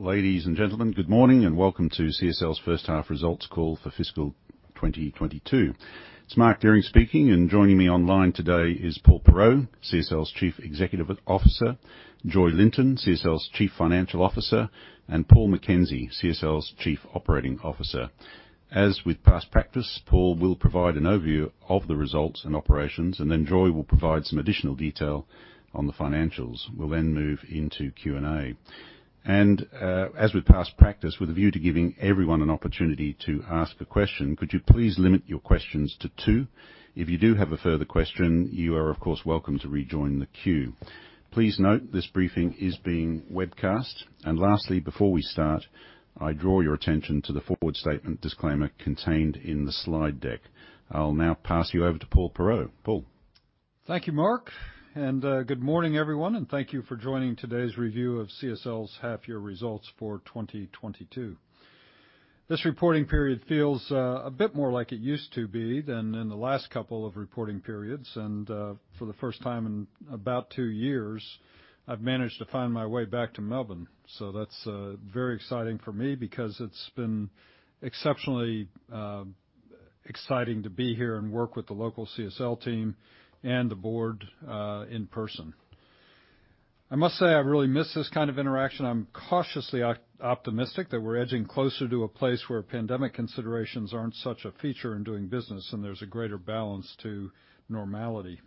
Ladies and gentlemen, good morning and welcome to CSL's First Half Results Call For Fiscal 2022. It's Mark Dehring speaking, and joining me online today is Paul Perreault, CSL's Chief Executive Officer, Joy Linton, CSL's Chief Financial Officer, and Paul McKenzie, CSL's Chief Operating Officer. As with past practice, Paul will provide an overview of the results and operations, and then Joy will provide some additional detail on the financials. We'll then move into Q&A. As with past practice, with a view to giving everyone an opportunity to ask a question, could you please limit your questions to two? If you do have a further question, you are, of course, welcome to rejoin the queue. Please note this briefing is being webcast. Lastly, before we start, I draw your attention to the forward-looking statement disclaimer contained in the slide deck. I'll now pass you over to Paul Perreault. Paul. Thank you, Mark. Good morning, everyone, and thank you for joining today's review of CSL's half year results for 2022. This reporting period feels a bit more like it used to be than in the last couple of reporting periods. For the first time in about two years, I've managed to find my way back to Melbourne. That's very exciting for me because it's been exceptionally exciting to be here and work with the local CSL team and the board in person. I must say, I've really missed this kind of interaction. I'm cautiously optimistic that we're edging closer to a place where pandemic considerations aren't such a feature in doing business and there's a greater balance to normality.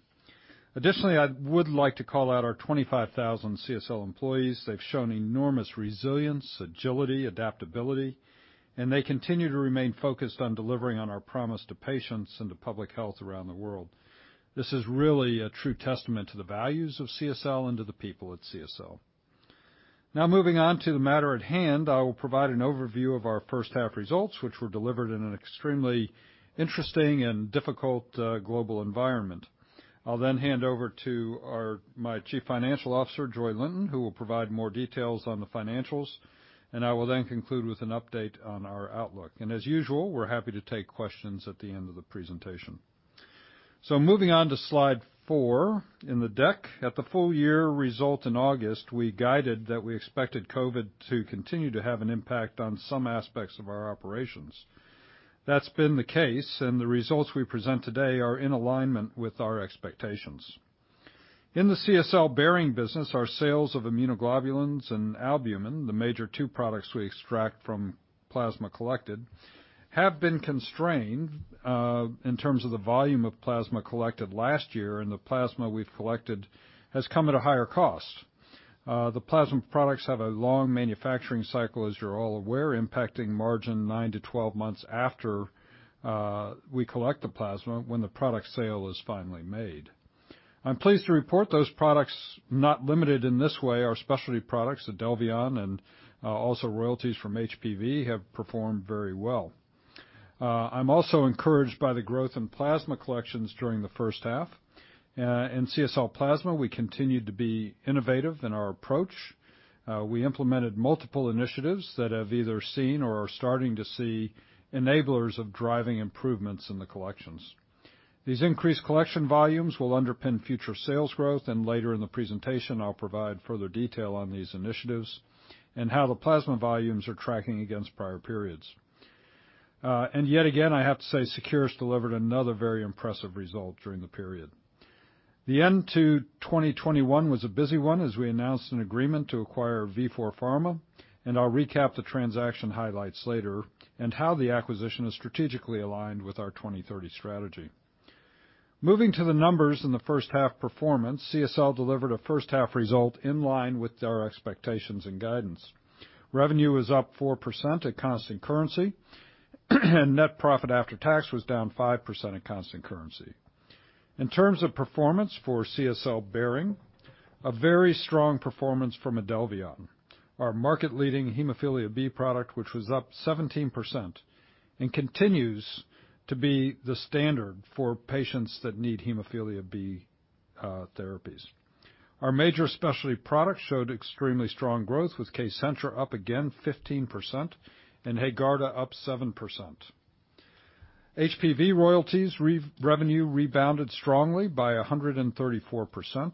Additionally, I would like to call out our 25,000 CSL employees. They've shown enormous resilience, agility, adaptability, and they continue to remain focused on delivering on our promise to patients and to public health around the world. This is really a true testament to the values of CSL and to the people at CSL. Now, moving on to the matter at hand, I will provide an overview of our first half results, which were delivered in an extremely interesting and difficult global environment. I'll then hand over to my Chief Financial Officer, Joy Linton, who will provide more details on the financials, and I will then conclude with an update on our outlook. And as usual, we're happy to take questions at the end of the presentation. Moving on to slide four in the deck. At the full year result in August, we guided that we expected COVID to continue to have an impact on some aspects of our operations. That's been the case, and the results we present today are in alignment with our expectations. In the CSL Behring business, our sales of immunoglobulins and albumin, the major two products we extract from plasma collected, have been constrained in terms of the volume of plasma collected last year, and the plasma we've collected has come at a higher cost. The plasma products have a long manufacturing cycle, as you're all aware, impacting margin nine-12 months after we collect the plasma when the product sale is finally made. I'm pleased to report those products not limited in this way. Our specialty products, IDELVION and also royalties from HPV, have performed very well. I'm also encouraged by the growth in plasma collections during the first half. In CSL Plasma, we continued to be innovative in our approach. We implemented multiple initiatives that have either seen or are starting to see enablers of driving improvements in the collections. These increased collection volumes will underpin future sales growth, and later in the presentation, I'll provide further detail on these initiatives and how the plasma volumes are tracking against prior periods. Yet again, I have to say Seqirus delivered another very impressive result during the period. The end of 2021 was a busy one as we announced an agreement to acquire Vifor Pharma, and I'll recap the transaction highlights later and how the acquisition is strategically aligned with our 2030 strategy. Moving to the numbers in the first half performance, CSL delivered a first half result in line with our expectations and guidance. Revenue was up 4% at constant currency, and net profit after tax was down 5% at constant currency. In terms of performance for CSL Behring, a very strong performance from IDELVION, our market-leading hemophilia B product, which was up 17% and continues to be the standard for patients that need hemophilia B therapies. Our major specialty products showed extremely strong growth with Kcentra up again 15% and HAEGARDA up 7%. HPV royalties revenue rebounded strongly by 134%,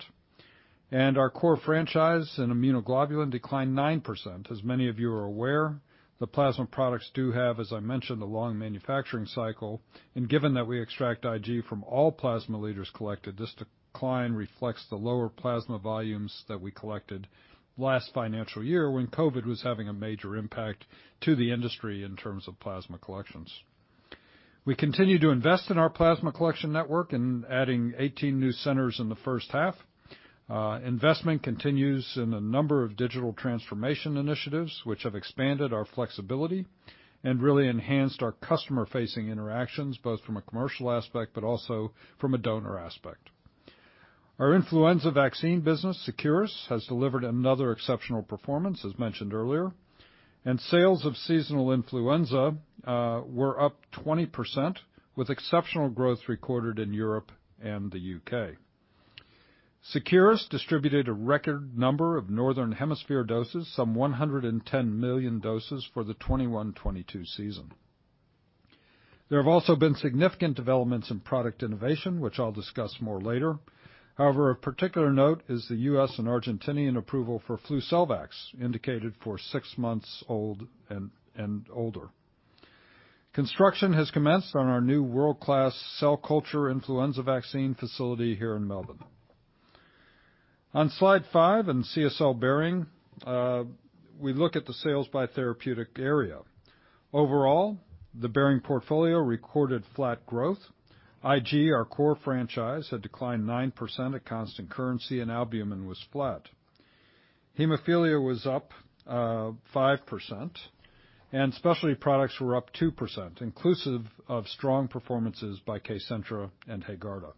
and our core franchise in immunoglobulin declined 9%. As many of you are aware, the plasma products do have, as I mentioned, a long manufacturing cycle, and given that we extract IG from all plasma liters collected, this decline reflects the lower plasma volumes that we collected last financial year when COVID was having a major impact to the industry in terms of plasma collections. We continue to invest in our plasma collection network and adding 18 new centers in the first half. Investment continues in a number of digital transformation initiatives which have expanded our flexibility and really enhanced our customer-facing interactions, both from a commercial aspect but also from a donor aspect. Our influenza vaccine business, Seqirus, has delivered another exceptional performance, as mentioned earlier. Sales of seasonal influenza were up 20% with exceptional growth recorded in Europe and the U.K. Seqirus distributed a record number of Northern Hemisphere doses, some 110 million doses for the 2021-2022 season. There have also been significant developments in product innovation, which I'll discuss more later. However, of particular note is the U.S. and Argentinian approval for Flucelvax, indicated for six months old and older. Construction has commenced on our new world-class cell culture influenza vaccine facility here in Melbourne. On Slide five, in CSL Behring, we look at the sales by therapeutic area. Overall, the Behring portfolio recorded flat growth. IG, our core franchise, had declined 9% at constant currency and albumin was flat. Hemophilia was up 5%, and specialty products were up 2%, inclusive of strong performances by Kcentra and HAEGARDA.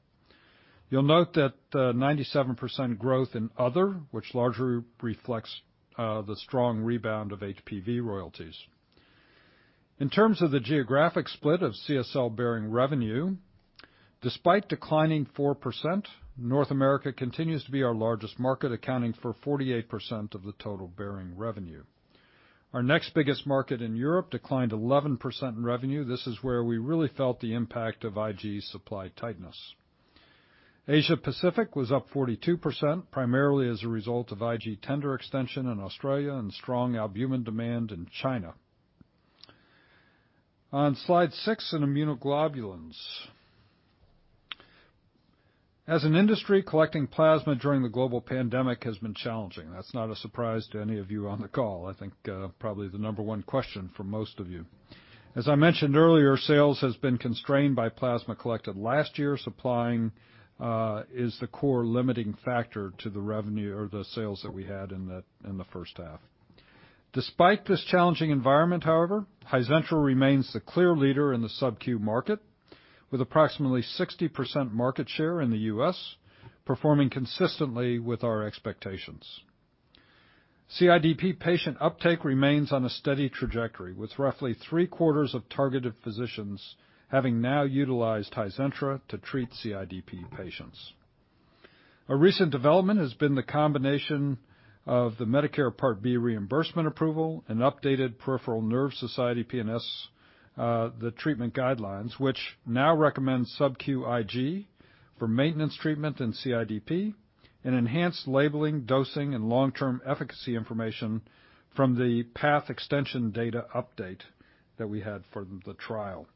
You'll note that 97% growth in other, which largely reflects the strong rebound of HPV royalties. In terms of the geographic split of CSL Behring revenue, despite declining 4%, North America continues to be our largest market, accounting for 48% of the total CSL Behring revenue. Our next biggest market in Europe declined 11% in revenue. This is where we really felt the impact of IG supply tightness. Asia Pacific was up 42%, primarily as a result of IG tender extension in Australia and strong albumin demand in China. On Slide six, in immunoglobulins. As an industry, collecting plasma during the global pandemic has been challenging. That's not a surprise to any of you on the call. I think, probably the number one question for most of you. As I mentioned earlier, sales has been constrained by plasma collected last year. Supply is the core limiting factor to the revenue or the sales that we had in the first half. Despite this challenging environment, however, Hizentra remains the clear leader in the subQ market with approximately 60% market share in the U.S., performing consistently with our expectations. CIDP patient uptake remains on a steady trajectory, with roughly three-quarters of targeted physicians having now utilized Hizentra to treat CIDP patients. A recent development has been the combination of the Medicare Part B reimbursement approval and updated Peripheral Nerve Society, PNS, the treatment guidelines, which now recommends subQ IG for maintenance treatment in CIDP and enhanced labeling, dosing, and long-term efficacy information from the path extension data update that we had for the trial.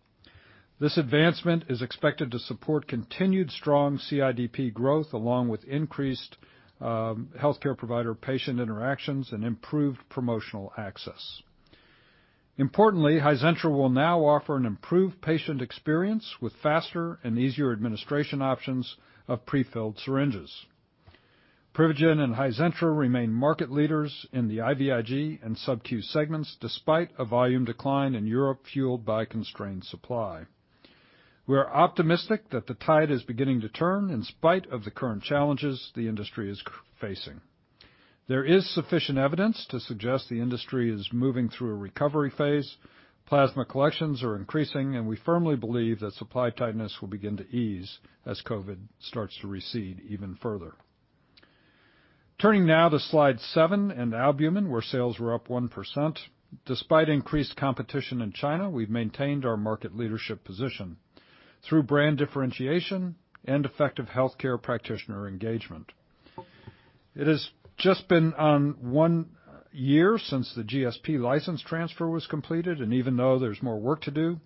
This advancement is expected to support continued strong CIDP growth along with increased healthcare provider patient interactions and improved promotional access. Importantly, Hizentra will now offer an improved patient experience with faster and easier administration options of prefilled syringes. Privigen and Hizentra remain market leaders in the IVIG and subQ segments, despite a volume decline in Europe fueled by constrained supply. We are optimistic that the tide is beginning to turn in spite of the current challenges the industry is facing. There is sufficient evidence to suggest the industry is moving through a recovery phase. Plasma collections are increasing, and we firmly believe that supply tightness will begin to ease as COVID starts to recede even further. Turning now to Slide seven in albumin, where sales were up 1%. Despite increased competition in China, we've maintained our market leadership position through brand differentiation and effective healthcare practitioner engagement. It has just been one year since the GSP license transfer was completed, and even though there's more work to do,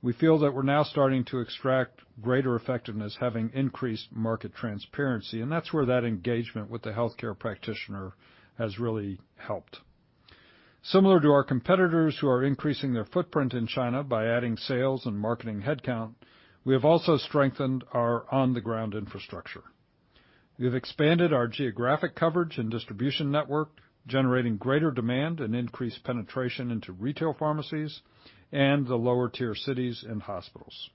we feel that we're now starting to extract greater effectiveness, having increased market transparency, and that's where that engagement with the healthcare practitioner has really helped. Similar to our competitors who are increasing their footprint in China by adding sales and marketing headcount, we have also strengthened our on-the-ground infrastructure. We have expanded our geographic coverage and distribution network, generating greater demand and increased penetration into retail pharmacies and the lower-tier cities and hospitals.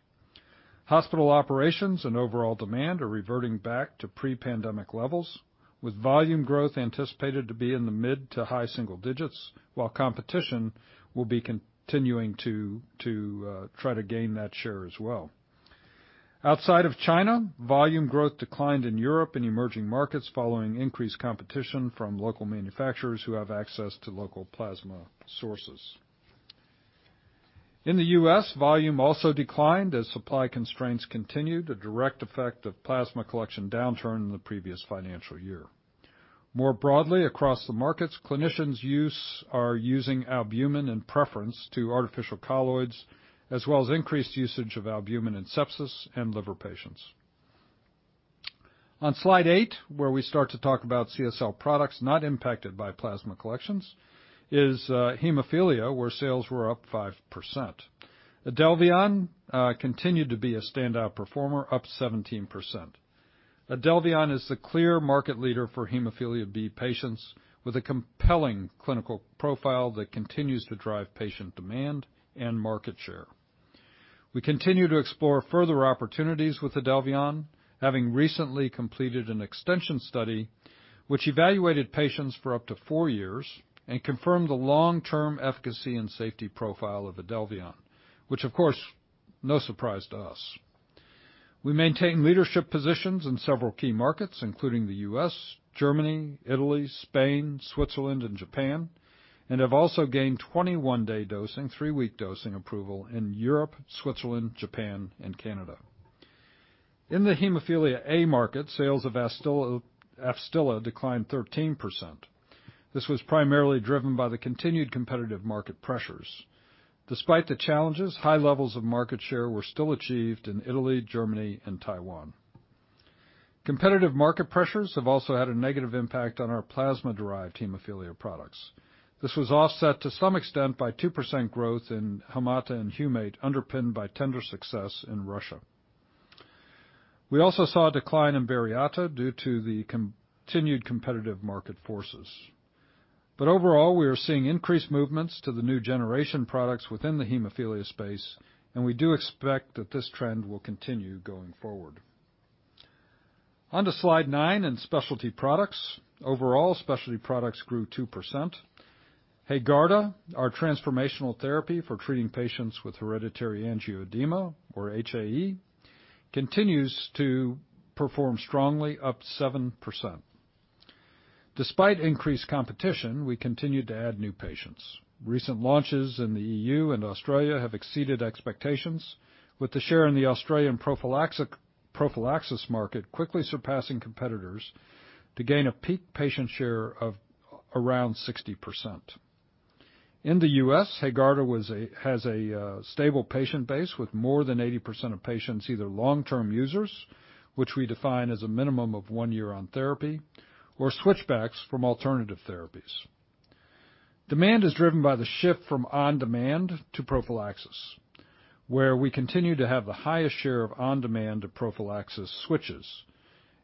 Hospital operations and overall demand are reverting back to pre-pandemic levels, with volume growth anticipated to be in the mid to high single digits while competition will be continuing to try to gain that share as well. Outside of China, volume growth declined in Europe and emerging markets following increased competition from local manufacturers who have access to local plasma sources. In the U.S., volume also declined as supply constraints continued, a direct effect of plasma collection downturn in the previous financial year. More broadly, across the markets, clinicians are using albumin in preference to artificial colloids, as well as increased usage of albumin in sepsis and liver patients. On Slide eight, where we start to talk about CSL products not impacted by plasma collections, is hemophilia, where sales were up 5%. IDELVION continued to be a standout performer, up 17%. IDELVION is the clear market leader for hemophilia B patients with a compelling clinical profile that continues to drive patient demand and market share. We continue to explore further opportunities with IDELVION, having recently completed an extension study which evaluated patients for up to four years and confirmed the long-term efficacy and safety profile of IDELVION, which of course no surprise to us. We maintain leadership positions in several key markets, including the U.S., Germany, Italy, Spain, Switzerland, and Japan, and have also gained 21-day dosing, three-week dosing approval in Europe, Switzerland, Japan, and Canada. In the hemophilia A market, sales of AFSTYLA declined 13%. This was primarily driven by the continued competitive market pressures. Despite the challenges, high levels of market share were still achieved in Italy, Germany, and Taiwan. Competitive market pressures have also had a negative impact on our plasma-derived hemophilia products. This was offset to some extent by 2% growth in Haemate and Humate-P, underpinned by tender success in Russia. We also saw a decline in Beriate due to the continued competitive market forces. Overall, we are seeing increased movements to the new generation products within the hemophilia space, and we do expect that this trend will continue going forward. On to Slide nine in specialty products. Overall, specialty products grew 2%. HAEGARDA, our transformational therapy for treating patients with hereditary angioedema, or HAE, continues to perform strongly up 7%. Despite increased competition, we continued to add new patients. Recent launches in the EU and Australia have exceeded expectations, with the share in the Australian prophylaxis market quickly surpassing competitors to gain a peak patient share of around 60%. In the U.S., HAEGARDA has a stable patient base with more than 80% of patients, either long-term users, which we define as a minimum of one year on therapy or switchbacks from alternative therapies. Demand is driven by the shift from on-demand to prophylaxis, where we continue to have the highest share of on-demand to prophylaxis switches,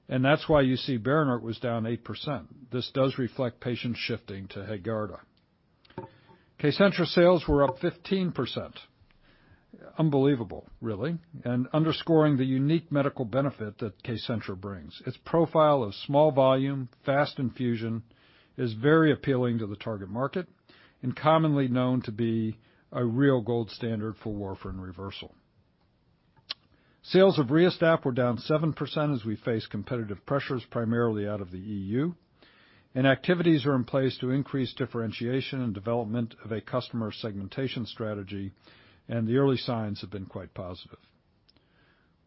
and that's why you see Berinert was down 8%. This does reflect patient shifting to HAEGARDA. Kcentra sales were up 15%. Unbelievable, really, and underscoring the unique medical benefit that Kcentra brings. Its profile of small volume, fast infusion is very appealing to the target market and commonly known to be a real gold standard for warfarin reversal. Sales of Respreeza were down 7% as we face competitive pressures, primarily out of the EU. Activities are in place to increase differentiation and development of a customer segmentation strategy, and the early signs have been quite positive.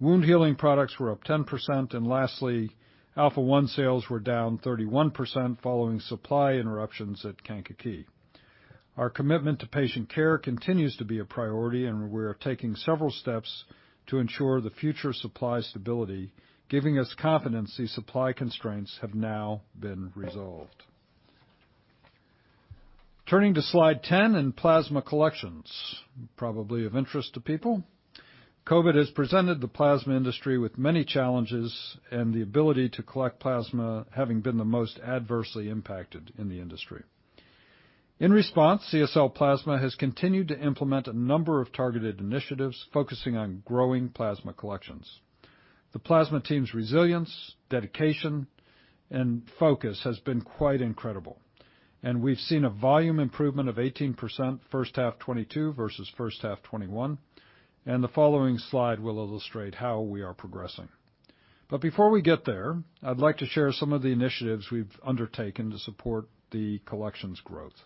Wound healing products were up 10%, and lastly, Alpha-1 sales were down 31% following supply interruptions at Kankakee. Our commitment to patient care continues to be a priority, and we're taking several steps to ensure the future supply stability, giving us confidence these supply constraints have now been resolved. Turning to Slide 10 in plasma collections, probably of interest to people. COVID has presented the plasma industry with many challenges and the ability to collect plasma having been the most adversely impacted in the industry. In response, CSL Plasma has continued to implement a number of targeted initiatives focusing on growing plasma collections. The plasma team's resilience, dedication, and focus has been quite incredible, and we've seen a volume improvement of 18% first half 2022 versus first half 2021. The following slide will illustrate how we are progressing. Before we get there, I'd like to share some of the initiatives we've undertaken to support the collections growth.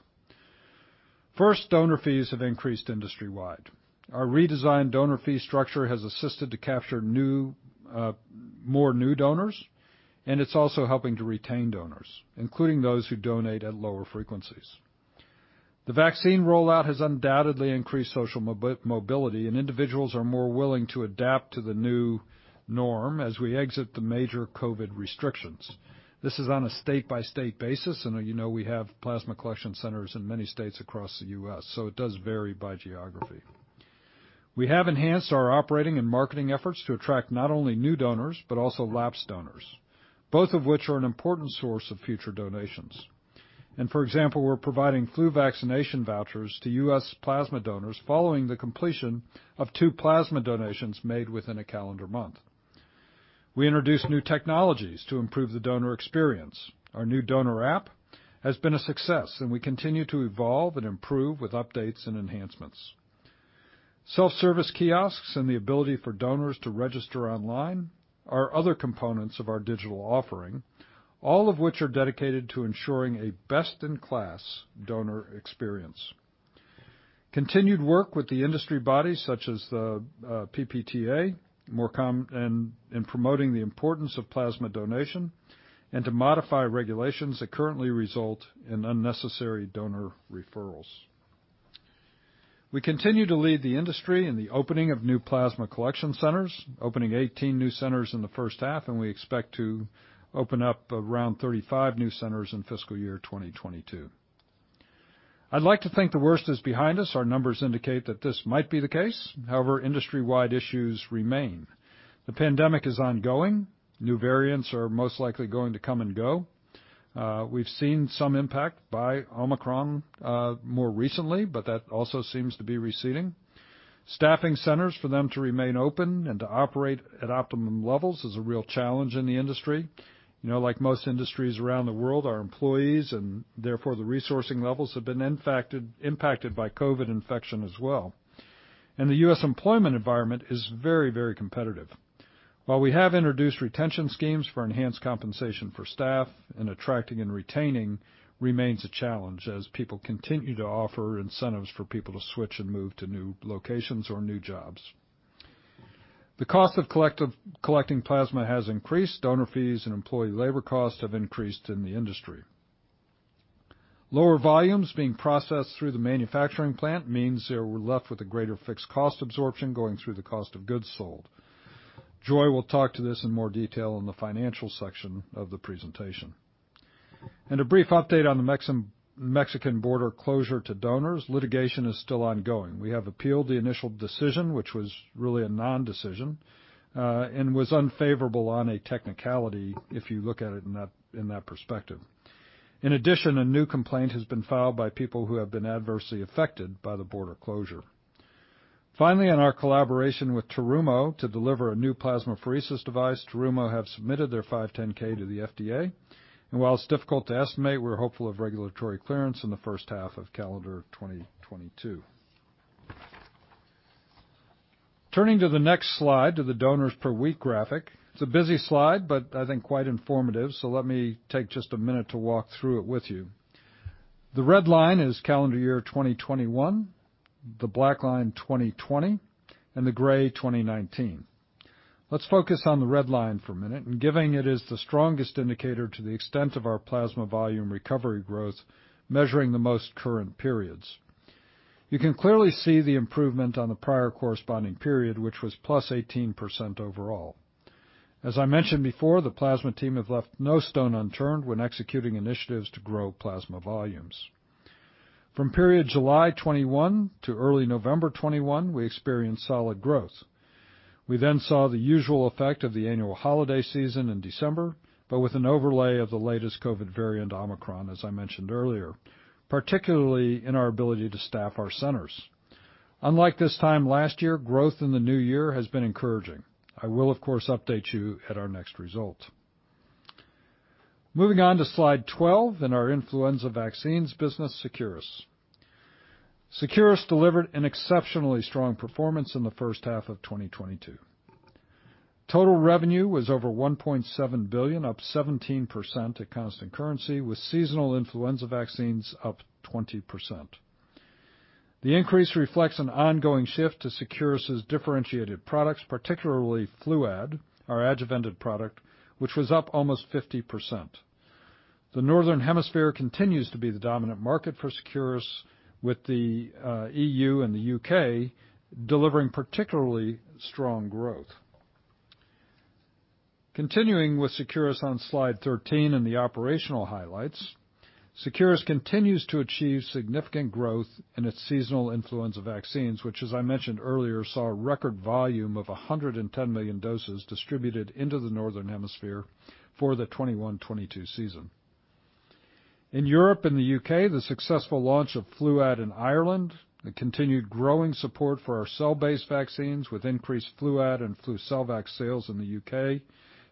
First, donor fees have increased industry-wide. Our redesigned donor fee structure has assisted to capture new, more new donors, and it's also helping to retain donors, including those who donate at lower frequencies. The vaccine rollout has undoubtedly increased social mobility, and individuals are more willing to adapt to the new norm as we exit the major COVID restrictions. This is on a state-by-state basis, and you know we have plasma collection centers in many states across the U.S., so it does vary by geography. We have enhanced our operating and marketing efforts to attract not only new donors, but also lapsed donors, both of which are an important source of future donations. For example, we're providing flu vaccination vouchers to U.S. plasma donors following the completion of two plasma donations made within a calendar month. We introduced new technologies to improve the donor experience. Our new donor app has been a success, and we continue to evolve and improve with updates and enhancements. Self-service kiosks and the ability for donors to register online are other components of our digital offering, all of which are dedicated to ensuring a best-in-class donor experience. Continued work with the industry bodies such as the PPTA in promoting the importance of plasma donation and to modify regulations that currently result in unnecessary donor referrals. We continue to lead the industry in the opening of new plasma collection centers, opening 18 new centers in the first half, and we expect to open up around 35 new centers in fiscal year 2022. I'd like to think the worst is behind us. Our numbers indicate that this might be the case. However, industry-wide issues remain. The pandemic is ongoing. New variants are most likely going to come and go. We've seen some impact by Omicron more recently, but that also seems to be receding. Staffing centers for them to remain open and to operate at optimum levels is a real challenge in the industry. You know, like most industries around the world, our employees and therefore the resourcing levels have been impacted by COVID infection as well. The U.S. employment environment is very, very competitive. While we have introduced retention schemes for enhanced compensation for staff, attracting and retaining remains a challenge as people continue to offer incentives for people to switch and move to new locations or new jobs. The cost of collecting plasma has increased. Donor fees and employee labor costs have increased in the industry. Lower volumes being processed through the manufacturing plant means that we're left with a greater fixed cost absorption going through the cost of goods sold. Joy will talk to this in more detail in the financial section of the presentation. A brief update on the Mexican border closure to donors. Litigation is still ongoing. We have appealed the initial decision, which was really a non-decision, and was unfavorable on a technicality, if you look at it in that perspective. In addition, a new complaint has been filed by people who have been adversely affected by the border closure. Finally, in our collaboration with Terumo to deliver a new plasmapheresis device, Terumo have submitted their 510(k) to the FDA. While it's difficult to estimate, we're hopeful of regulatory clearance in the first half of calendar 2022. Turning to the next slide, to the donors per week graphic. It's a busy slide, but I think quite informative, so let me take just a minute to walk through it with you. The red line is calendar year 2021, the black line 2020, and the gray 2019. Let's focus on the red line for a minute, and given it is the strongest indicator to the extent of our plasma volume recovery growth, measuring the most current periods. You can clearly see the improvement on the prior corresponding period, which was +18% overall. As I mentioned before, the plasma team have left no stone unturned when executing initiatives to grow plasma volumes. From period July 2021 to early November 2021, we experienced solid growth. We then saw the usual effect of the annual holiday season in December, but with an overlay of the latest COVID variant, Omicron, as I mentioned earlier, particularly in our ability to staff our centers. Unlike this time last year, growth in the new year has been encouraging. I will, of course, update you at our next result. Moving on to slide 12 in our influenza vaccines business, Seqirus. Seqirus delivered an exceptionally strong performance in the first half of 2022. Total revenue was over 1.7 billion, up 17% at constant currency, with seasonal influenza vaccines up 20%. The increase reflects an ongoing shift to Seqirus' differentiated products, particularly Fluad, our adjuvanted product, which was up almost 50%. The Northern Hemisphere continues to be the dominant market for Seqirus, with the E.U. and the U.K. delivering particularly strong growth. Continuing with Seqirus on Slide 13 and the operational highlights. Seqirus continues to achieve significant growth in its seasonal influenza vaccines, which as I mentioned earlier, saw a record volume of 110 million doses distributed into the Northern Hemisphere for the 2021-2022 season. In Europe and the U.K., the successful launch of Fluad in Ireland, a continued growing support for our cell-based vaccines with increased Fluad and Flucelvax sales in the U.K.,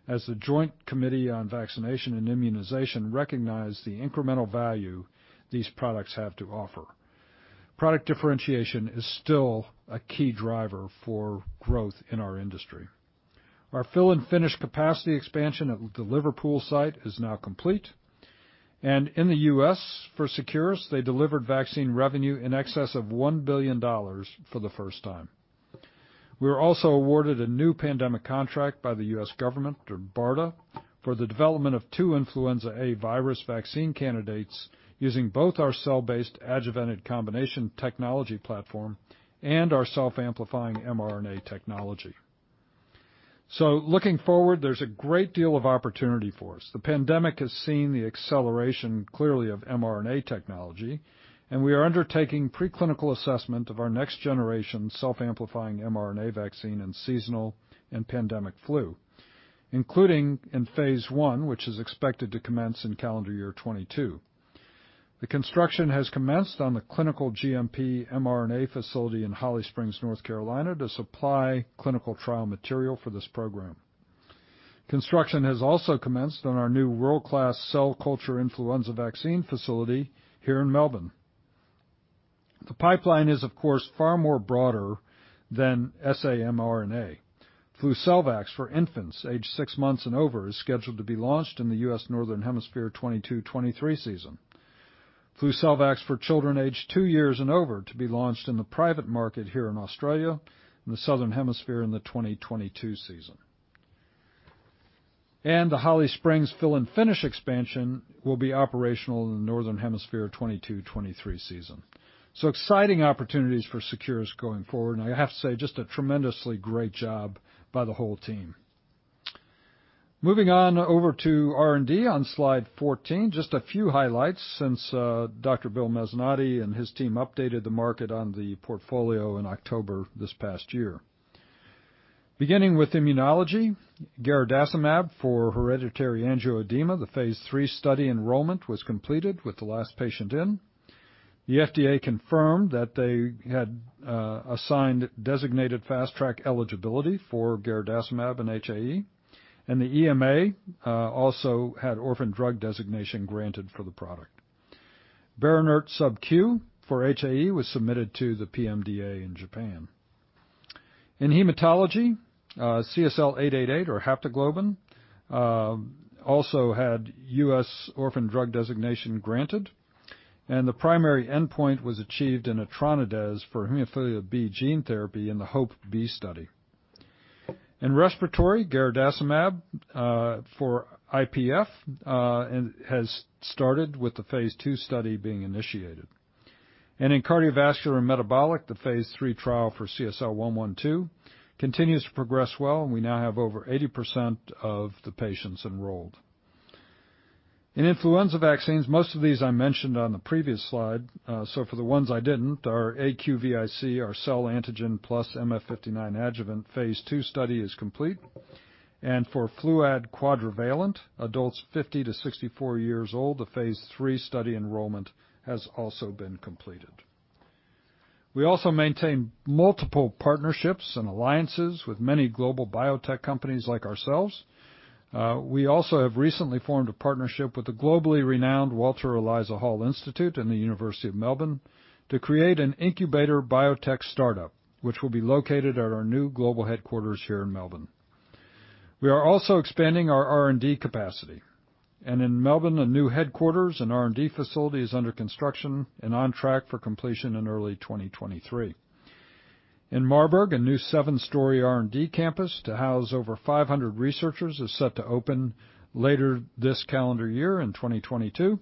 as the Joint Committee on Vaccination and Immunization recognized the incremental value these products have to offer. Product differentiation is still a key driver for growth in our industry. Our fill and finish capacity expansion at the Liverpool site is now complete. In the U.S., for Seqirus, they delivered vaccine revenue in excess of $1 billion for the first time. We were also awarded a new pandemic contract by the U.S. government, or BARDA, for the development of two influenza A virus vaccine candidates using both our cell-based adjuvanted combination technology platform and our self-amplifying mRNA technology. Looking forward, there's a great deal of opportunity for us. The pandemic has seen the acceleration, clearly, of mRNA technology, and we are undertaking preclinical assessment of our next-generation self-amplifying mRNA vaccine in seasonal and pandemic flu, including in phase I, which is expected to commence in calendar year 2022. The construction has commenced on the clinical GMP mRNA facility in Holly Springs, North Carolina, to supply clinical trial material for this program. Construction has also commenced on our new world-class cell culture influenza vaccine facility here in Melbourne. The pipeline is, of course, far more broader than sa-mRNA. Flucelvax for infants aged six months and over is scheduled to be launched in the U.S. Northern Hemisphere 2022-2023 season. Flucelvax for children aged two years and over to be launched in the private market here in Australia and the Southern Hemisphere in the 2022 season. The Holly Springs fill and finish expansion will be operational in the Northern Hemisphere 2022-2023 season. Exciting opportunities for Seqirus going forward, and I have to say just a tremendously great job by the whole team. Moving on over to R&D on slide 14, just a few highlights since Dr. Bill Mezzanotte and his team updated the market on the portfolio in October this past year. Beginning with immunology, garadacimab for hereditary angioedema, the phase III study enrollment was completed with the last patient in. The FDA confirmed that they had designated Fast Track eligibility for garadacimab and HAE, and the EMA also had Orphan Drug Designation granted for the product. Berinert subQ for HAE was submitted to the PMDA in Japan. In hematology, CSL888 or Haptoglobin also had US Orphan Drug Designation granted, and the primary endpoint was achieved in etranacogene dezaparvovec for hemophilia B gene therapy in the HOPE-B study. In respiratory, garadacimab for IPF has started with the phase II study being initiated. In cardiovascular and metabolic, the phase III trial for CSL112 continues to progress well, and we now have over 80% of the patients enrolled. In influenza vaccines, most of these I mentioned on the previous slide, so for the ones I didn't, our aQIVc, our cell antigen plus MF59 adjuvant phase II study is complete. For Fluad Quadrivalent, adults 50 to 64 years old, the phase III study enrollment has also been completed. We also maintain multiple partnerships and alliances with many global biotech companies like ourselves. We also have recently formed a partnership with the globally renowned Walter and Eliza Hall Institute and the University of Melbourne to create an incubator biotech startup, which will be located at our new global headquarters here in Melbourne. We are also expanding our R&D capacity. In Melbourne, a new headquarters and R&D facility is under construction and on track for completion in early 2023. In Marburg, a new seven-story R&D campus to house over 500 researchers is set to open later this calendar year in 2022.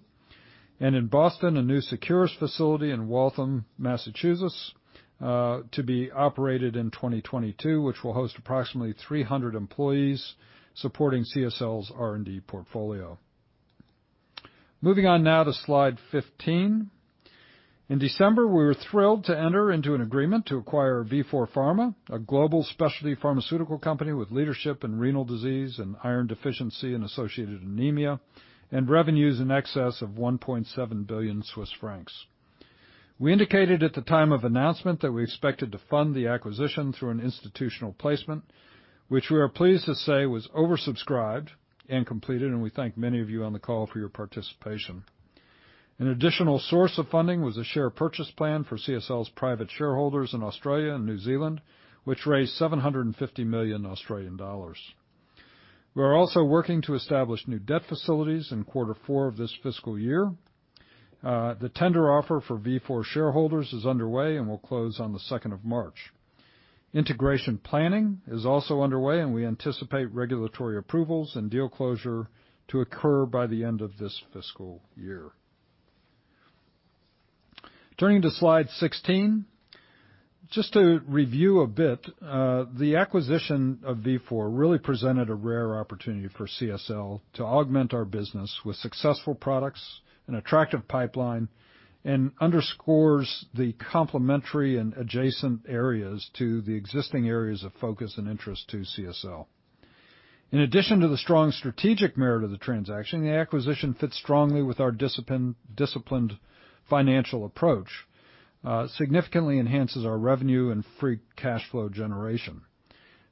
In Boston, a new Seqirus facility in Waltham, Massachusetts, to be operated in 2022, which will host approximately 300 employees supporting CSL's R&D portfolio. Moving on now to slide 15. In December, we were thrilled to enter into an agreement to acquire Vifor Pharma, a global specialty pharmaceutical company with leadership in renal disease and iron deficiency and associated anemia, and revenues in excess of 1.7 billion Swiss francs. We indicated at the time of announcement that we expected to fund the acquisition through an institutional placement, which we are pleased to say was oversubscribed and completed, and we thank many of you on the call for your participation. An additional source of funding was a share purchase plan for CSL's private shareholders in Australia and New Zealand, which raised 750 million Australian dollars. We are also working to establish new debt facilities in quarter four of this fiscal year. The tender offer for Vifor shareholders is underway and will close on the second of March. Integration planning is also underway, and we anticipate regulatory approvals and deal closure to occur by the end of this fiscal year. Turning to slide 16. Just to review a bit, the acquisition of Vifor really presented a rare opportunity for CSL to augment our business with successful products and attractive pipeline and underscores the complementary and adjacent areas to the existing areas of focus and interest to CSL. In addition to the strong strategic merit of the transaction, the acquisition fits strongly with our disciplined financial approach, significantly enhances our revenue and free cash flow generation.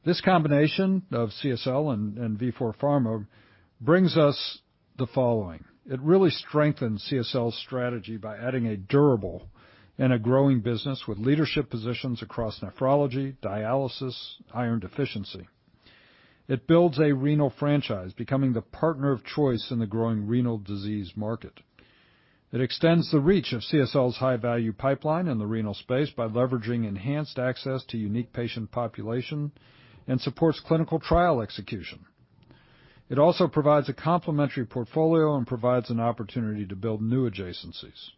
This combination of CSL and Vifor Pharma brings us the following. It really strengthens CSL's strategy by adding a durable and a growing business with leadership positions across nephrology, dialysis, iron deficiency. It builds a renal franchise, becoming the partner of choice in the growing renal disease market. It extends the reach of CSL's high-value pipeline in the renal space by leveraging enhanced access to unique patient population and supports clinical trial execution. It also provides a complementary portfolio and provides an opportunity to build new adjacencies.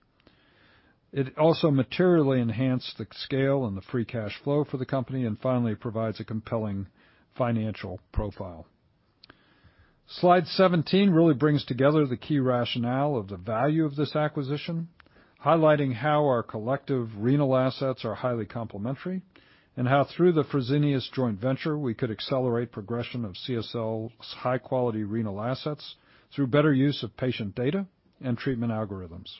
It also materially enhanced the scale and the free cash flow for the company, and finally, it provides a compelling financial profile. Slide 17 really brings together the key rationale of the value of this acquisition, highlighting how our collective renal assets are highly complementary, and how through the Fresenius joint venture, we could accelerate progression of CSL's high-quality renal assets through better use of patient data and treatment algorithms.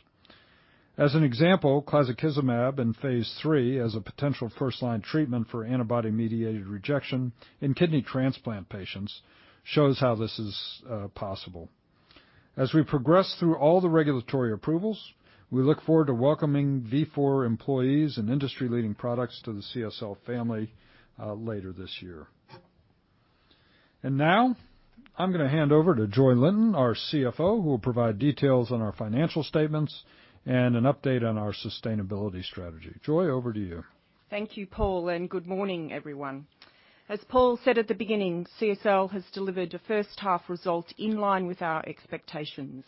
As an example, Clazakizumab in phase III as a potential first-line treatment for antibody-mediated rejection in kidney transplant patients shows how this is possible. As we progress through all the regulatory approvals, we look forward to welcoming Vifor employees and industry-leading products to the CSL family later this year. Now I'm gonna hand over to Joy Linton, our CFO, who will provide details on our financial statements and an update on our sustainability strategy. Joy, over to you. Thank you, Paul, and good morning, everyone. As Paul said at the beginning, CSL has delivered a first half result in line with our expectations.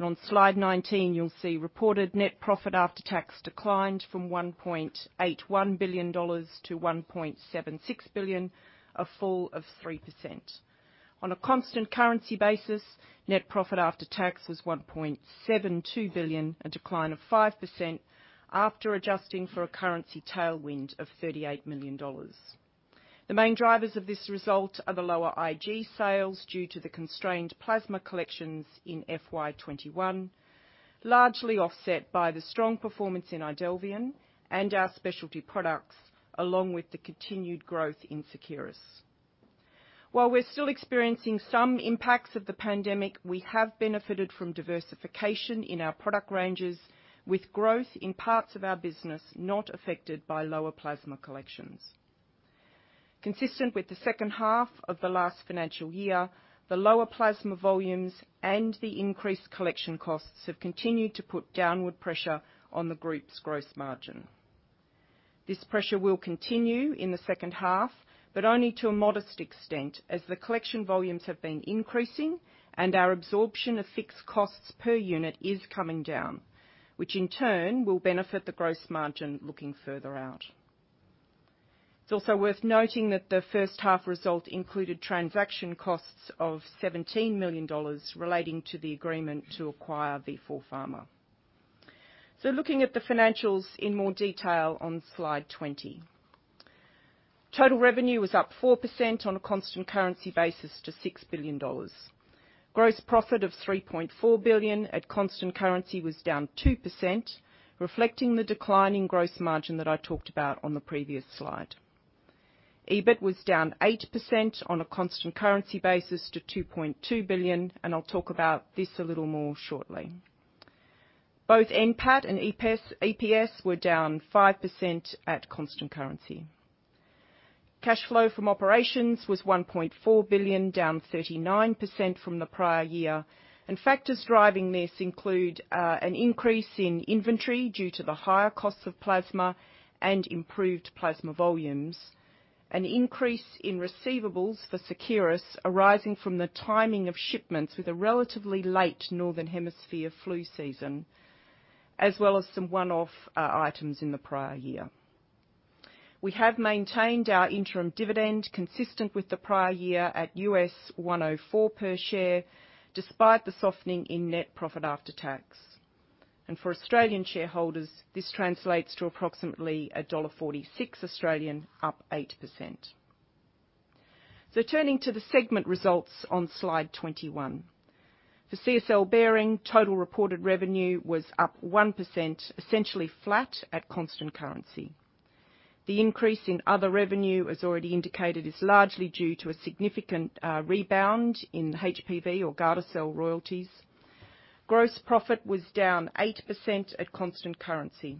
On slide 19, you'll see reported net profit after tax declined from $1.81 billion to $1.76 billion, a fall of 3%. On a constant currency basis, net profit after tax was $1.72 billion, a decline of 5%, after adjusting for a currency tailwind of $38 million. The main drivers of this result are the lower IG sales due to the constrained plasma collections in FY 2021, largely offset by the strong performance in IDELVION and our specialty products, along with the continued growth in Seqirus. While we're still experiencing some impacts of the pandemic, we have benefited from diversification in our product ranges, with growth in parts of our business not affected by lower plasma collections. Consistent with the second half of the last financial year, the lower plasma volumes and the increased collection costs have continued to put downward pressure on the Group's gross margin. This pressure will continue in the second half, but only to a modest extent, as the collection volumes have been increasing and our absorption of fixed costs per unit is coming down, which in turn will benefit the gross margin looking further out. It's also worth noting that the first half result included transaction costs of AUD 17 million relating to the agreement to acquire Vifor Pharma. Looking at the financials in more detail on Slide 20. Total revenue was up 4% on a constant currency basis to 6 billion dollars. Gross profit of 3.4 billion at constant currency was down 2%, reflecting the decline in gross margin that I talked about on the previous slide. EBIT was down 8% on a constant currency basis to 2.2 billion, and I'll talk about this a little more shortly. Both NPAT and EPS were down 5% at constant currency. Cash flow from operations was 1.4 billion, down 39% from the prior year. Factors driving this include an increase in inventory due to the higher costs of plasma and improved plasma volumes, an increase in receivables for Seqirus arising from the timing of shipments with a relatively late Northern Hemisphere flu season, as well as some one-off items in the prior year. We have maintained our interim dividend consistent with the prior year at $1.04 per share, despite the softening in net profit after tax. For Australian shareholders, this translates to approximately 1.46 Australian dollars, up 8%. Turning to the segment results on Slide 21. For CSL Behring, total reported revenue was up 1%, essentially flat at constant currency. The increase in other revenue, as already indicated, is largely due to a significant rebound in HPV or Gardasil royalties. Gross profit was down 8% at constant currency.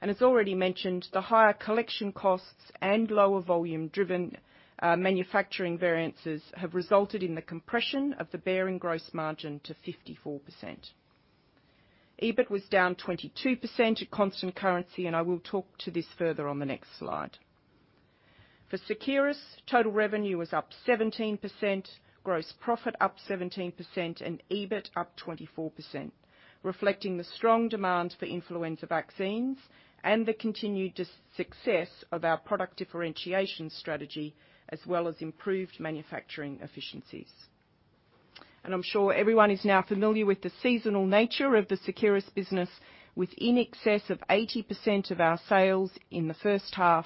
As already mentioned, the higher collection costs and lower volume-driven manufacturing variances have resulted in the compression of the Behring gross margin to 54%. EBIT was down 22% at constant currency, and I will talk to this further on the next slide. For Seqirus, total revenue was up 17%, gross profit up 17%, and EBIT up 24%, reflecting the strong demand for influenza vaccines and the continued success of our product differentiation strategy, as well as improved manufacturing efficiencies. I'm sure everyone is now familiar with the seasonal nature of the Seqirus business, with in excess of 80% of our sales in the first half,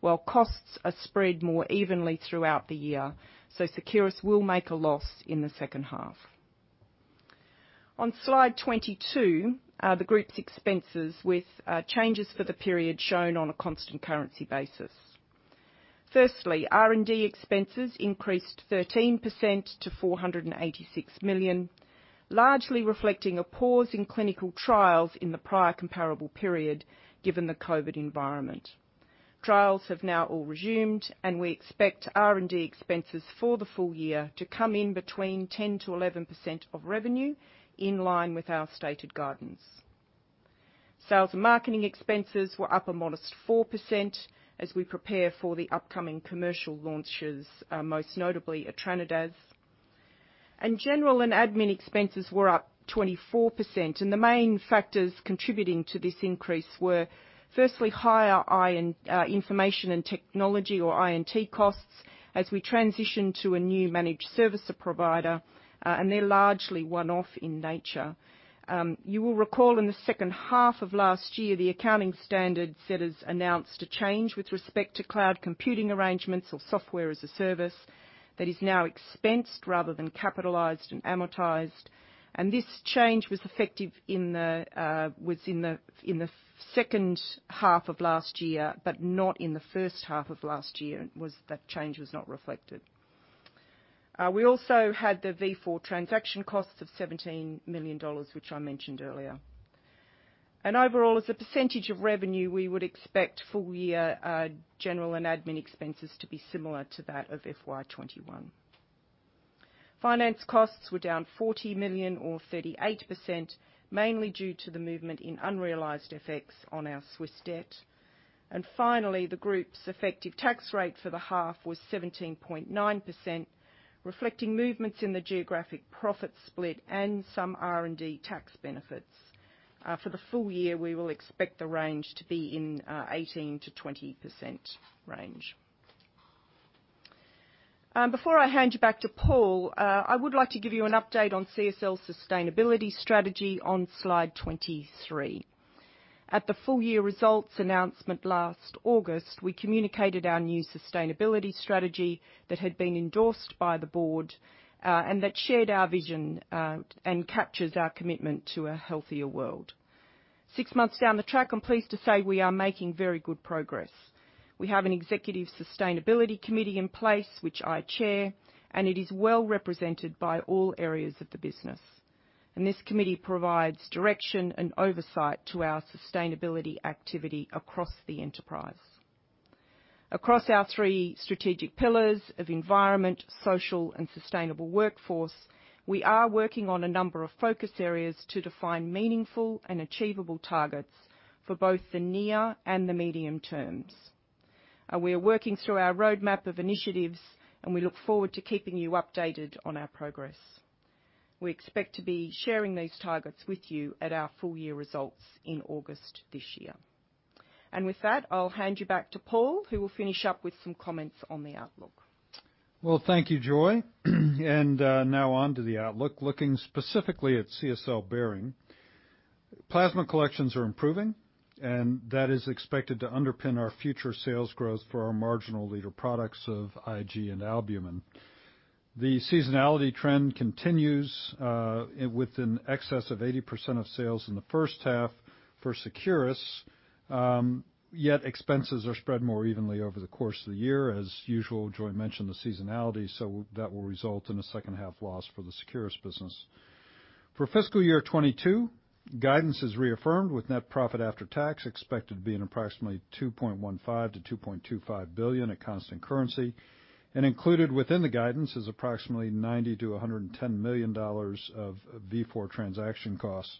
while costs are spread more evenly throughout the year. Seqirus will make a loss in the second half. On Slide 22 are the Group's expenses with changes for the period shown on a constant currency basis. Firstly, R&D expenses increased 13% to 486 million, largely reflecting a pause in clinical trials in the prior comparable period, given the COVID environment. Trials have now all resumed, and we expect R&D expenses for the full year to come in between 10%-11% of revenue, in line with our stated guidance. Sales and marketing expenses were up a modest 4% as we prepare for the upcoming commercial launches, most notably TAVNEOS. General and admin expenses were up 24%, and the main factors contributing to this increase were, firstly, higher I&T costs as we transition to a new managed service provider, and they're largely one-off in nature. You will recall in the second half of last year, the Accounting Standard Setters announced a change with respect to cloud computing arrangements or software as a service that is now expensed rather than capitalized and amortized. This change was effective in the second half of last year, but not in the first half of last year. That change was not reflected. We also had the Vifor transaction costs of 17 million dollars, which I mentioned earlier. Overall, as a percentage of revenue, we would expect full-year general and admin expenses to be similar to that of FY 2021. Finance costs were down 40 million or 38%, mainly due to the movement in unrealized FX on our Swiss debt. Finally, the Group's effective tax rate for the half was 17.9%, reflecting movements in the geographic profit split and some R&D tax benefits. For the full year, we will expect the range to be in 18%-20% range. Before I hand you back to Paul, I would like to give you an update on CSL's sustainability strategy on Slide 23. At the full-year results announcement last August, we communicated our new sustainability strategy that had been endorsed by the Board, and that shared our vision, and captures our commitment to a healthier world. Six months down the track, I'm pleased to say we are making very good progress. We have an executive sustainability committee in place, which I chair, and it is well represented by all areas of the business. This committee provides direction and oversight to our sustainability activity across the enterprise. Across our three strategic pillars of environment, social, and sustainable workforce, we are working on a number of focus areas to define meaningful and achievable targets for both the near and the medium terms. We are working through our roadmap of initiatives, and we look forward to keeping you updated on our progress. We expect to be sharing these targets with you at our full year results in August this year. With that, I'll hand you back to Paul, who will finish up with some comments on the outlook. Well, thank you, Joy. Now on to the outlook. Looking specifically at CSL Behring. Plasma collections are improving, and that is expected to underpin our future sales growth for our market-leading products of IG and albumin. The seasonality trend continues, in excess of 80% of sales in the first half for Seqirus, yet expenses are spread more evenly over the course of the year, as usual. Joy mentioned the seasonality, so that will result in a second half loss for the Seqirus business. For FY 2022, guidance is reaffirmed with net profit after tax expected to be in approximately 2.15 billion-2.25 billion at constant currency. Included within the guidance is approximately 90 million-110 million dollars of Vifor transaction costs.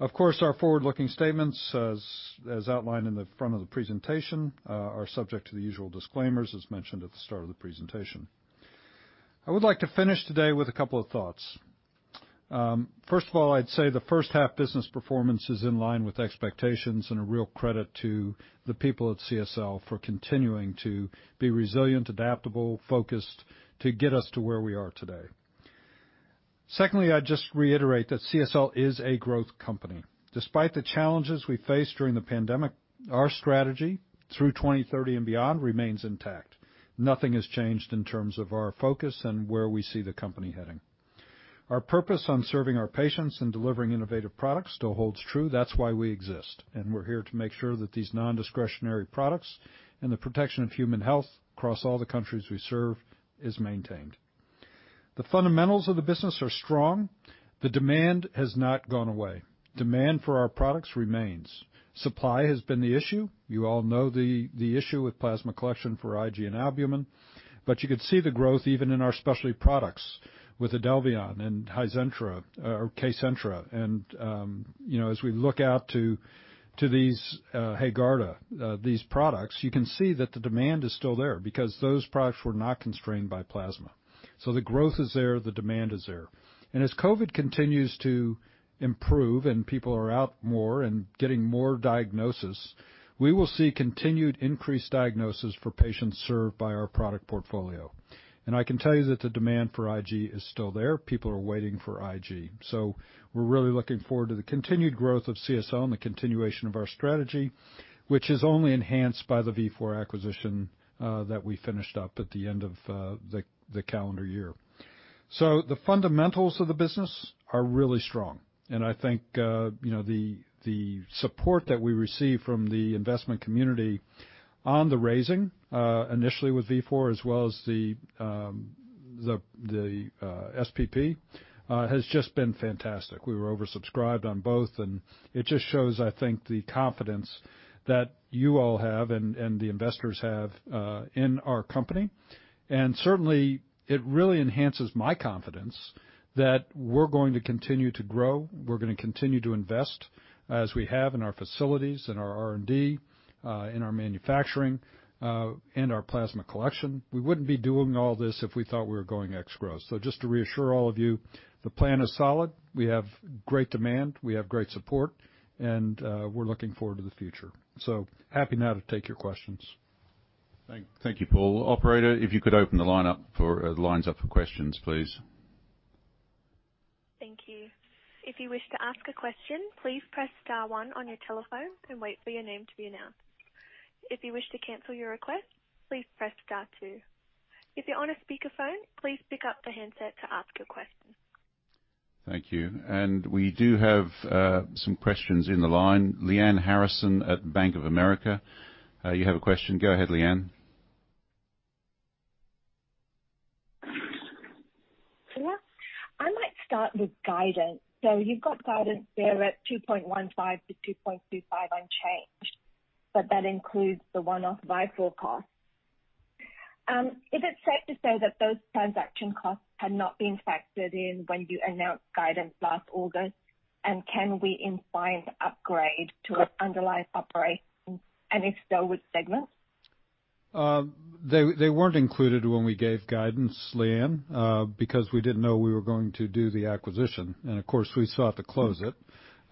Of course, our forward-looking statements, as outlined in the front of the presentation, are subject to the usual disclaimers, as mentioned at the start of the presentation. I would like to finish today with a couple of thoughts. First of all, I'd say the first half business performance is in line with expectations and a real credit to the people at CSL for continuing to be resilient, adaptable, focused to get us to where we are today. Secondly, I'd just reiterate that CSL is a growth company. Despite the challenges we face during the pandemic, our strategy through 2030 and beyond remains intact. Nothing has changed in terms of our focus and where we see the company heading. Our purpose on serving our patients and delivering innovative products still holds true. That's why we exist, and we're here to make sure that these non-discretionary products and the protection of human health across all the countries we serve is maintained. The fundamentals of the business are strong. The demand has not gone away. Demand for our products remains. Supply has been the issue. You all know the issue with plasma collection for IG and albumin, but you could see the growth even in our specialty products with IDELVION and Hizentra or Kcentra. You know, as we look out to these HAEGARDA, these products, you can see that the demand is still there because those products were not constrained by plasma. The growth is there, the demand is there. As COVID continues to improve and people are out more and getting more diagnoses, we will see continued increased diagnoses for patients served by our product portfolio. I can tell you that the demand for IG is still there. People are waiting for IG. We're really looking forward to the continued growth of CSL and the continuation of our strategy, which is only enhanced by the Vifor acquisition that we finished up at the end of the calendar year. The fundamentals of the business are really strong, and I think you know the support that we receive from the investment community on the raising initially with Vifor as well as the SPP has just been fantastic. We were oversubscribed on both, and it just shows, I think, the confidence that you all have and the investors have in our company. Certainly, it really enhances my confidence that we're going to continue to grow. We're gonna continue to invest, as we have in our facilities and our R&D in our manufacturing and our plasma collection. We wouldn't be doing all this if we thought we were going ex-growth. Just to reassure all of you, the plan is solid. We have great demand, we have great support, and we're looking forward to the future. Happy now to take your questions. Thank you, Paul. Operator, if you could open the lines up for questions, please. Thank you. If you wish to ask a question, please press star one on your telephone and wait for your name to be announced. If you wish to cancel your request, please press star two. If you're on a speakerphone, please pick up the handset to ask your question. Thank you. We do have some questions on the line. Lyanne Harrison at Bank of America. You have a question? Go ahead, Lyanne. I might start with guidance. You've got guidance there at 2.15-2.25 unchanged, but that includes the one-off Vifor costs. Is it safe to say that those transaction costs had not been factored in when you announced guidance last August? Can we imply an upgrade to underlying operations, and if so, which segments? They weren't included when we gave guidance, Lyanne, because we didn't know we were going to do the acquisition and of course, we sought to close it.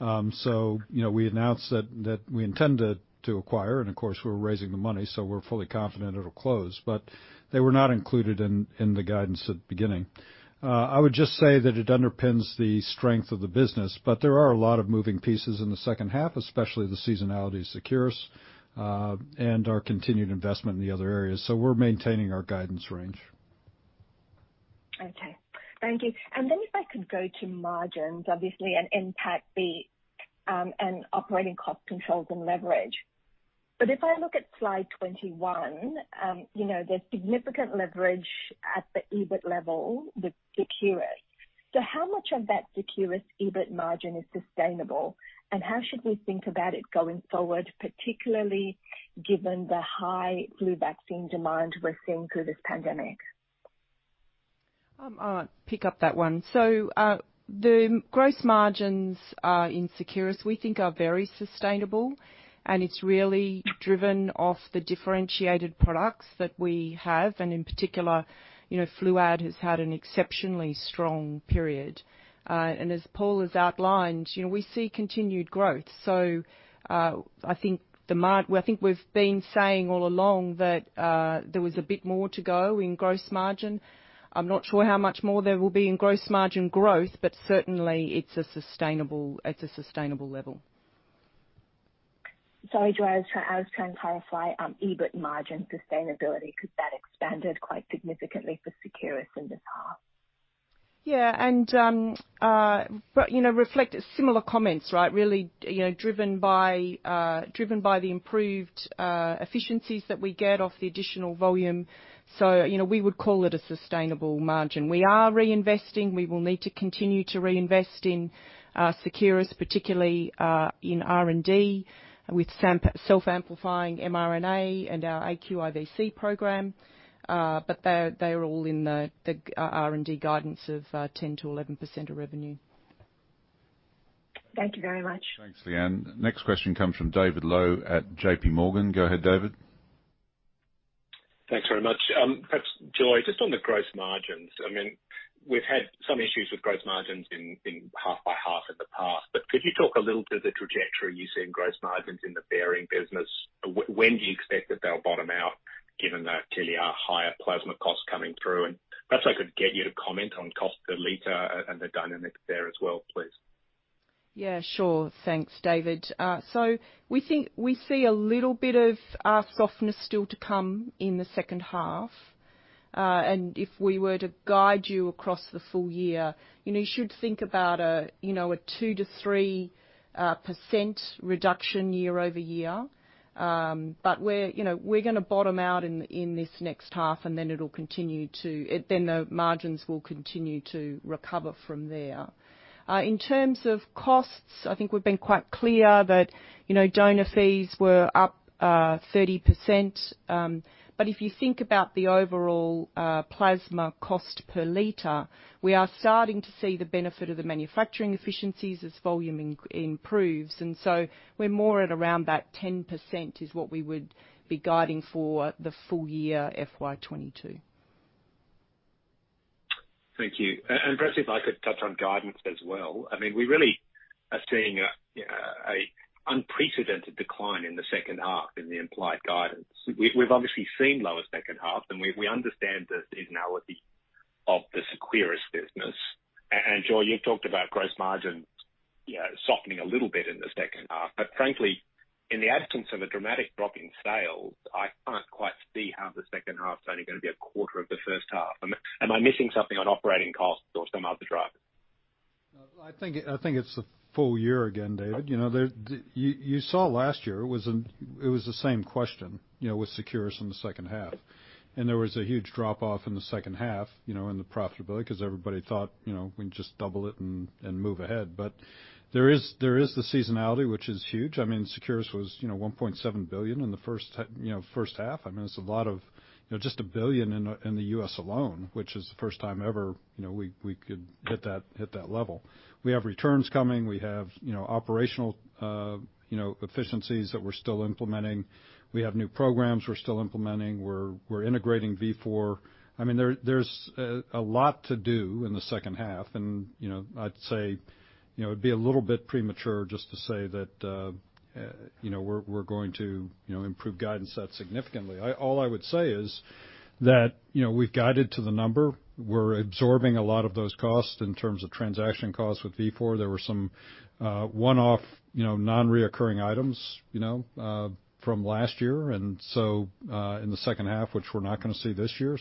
You know, we announced that we intended to acquire and of course, we're raising the money, so we're fully confident it'll close. They were not included in the guidance at the beginning. I would just say that it underpins the strength of the business, but there are a lot of moving pieces in the second half, especially the seasonality of Seqirus, and our continued investment in the other areas. We're maintaining our guidance range. Okay. Thank you. If I could go to margins, obviously, and impact the operating cost controls and leverage. If I look at slide 21, you know, there's significant leverage at the EBIT level with Seqirus. How much of that Seqirus EBIT margin is sustainable, and how should we think about it going forward, particularly given the high flu vaccine demand we're seeing through this pandemic? I'll pick up that one. The gross margins in Seqirus, we think are very sustainable and it's really driven off the differentiated products that we have, and in particular, you know, Fluad has had an exceptionally strong period. As Paul has outlined, you know, we see continued growth. I think we've been saying all along that there was a bit more to go in gross margin. I'm not sure how much more there will be in gross margin growth, but certainly it's a sustainable level. Sorry, Joy. I was trying to clarify EBIT margin sustainability, because that expanded quite significantly for Seqirus in this half. Yeah, you know, reflect similar comments, right? Really, you know, driven by the improved efficiencies that we get off the additional volume. You know, we would call it a sustainable margin. We are reinvesting. We will need to continue to reinvest in Seqirus, particularly in R&D with self-amplifying mRNA and our aQIVc program. They're all in the R&D guidance of 10%-11% of revenue. Thank you very much. Thanks, Lyanne. Next question comes from David Low at J.P. Morgan. Go ahead, David. Thanks very much. Perhaps Joy, just on the gross margins. I mean, we've had some issues with gross margins in half by half in the past, but could you talk a little to the trajectory you see in gross margins in the Behring business? When do you expect that they'll bottom out given that there clearly are higher plasma costs coming through? Perhaps I could get you to comment on cost per liter and the dynamics there as well, please. Yeah, sure. Thanks, David. We think we see a little bit of softness still to come in the second half. If we were to guide you across the full year, you know, you should think about a 2%-3% reduction year-over-year. We're gonna bottom out in this next half, and then the margins will continue to recover from there. In terms of costs, I think we've been quite clear that donor fees were up 30%. If you think about the overall plasma cost per liter, we are starting to see the benefit of the manufacturing efficiencies as volume improves. We're more at around that 10% is what we would be guiding for the full year FY 2022. Thank you. Perhaps if I could touch on guidance as well. I mean, we really are seeing an unprecedented decline in the second half in the implied guidance. We've obviously seen lower second half, and we understand the seasonality of the Seqirus business. And Joy, you've talked about gross margin, you know, softening a little bit in the second half. Frankly, in the absence of a dramatic drop in sales, I can't quite see how the second half is only gonna be a quarter of the first half. Am I missing something on operating costs or some other driver? No, I think it's the full year again, David. You know, you saw last year it was the same question, you know, with Seqirus in the second half. There was a huge drop off in the second half, you know, in the profitability because everybody thought, you know, we can just double it and move ahead. There is the seasonality, which is huge. I mean, Seqirus was $1.7 billion in the first half. I mean, it's a lot, you know, just $1 billion in the U.S. alone, which is the first time ever, you know, we could hit that level. We have returns coming. We have operational efficiencies that we're still implementing. We have new programs we're still implementing. We're integrating Vifor. I mean, there's a lot to do in the second half. You know, I'd say, you know, it'd be a little bit premature just to say that, you know, we're going to, you know, improve guidance that significantly. All I would say is that, you know, we've guided to the number. We're absorbing a lot of those costs in terms of transaction costs with Vifor. There were some one-off, you know, non-recurring items, you know, from last year and so in the second half, which we're not gonna see this year.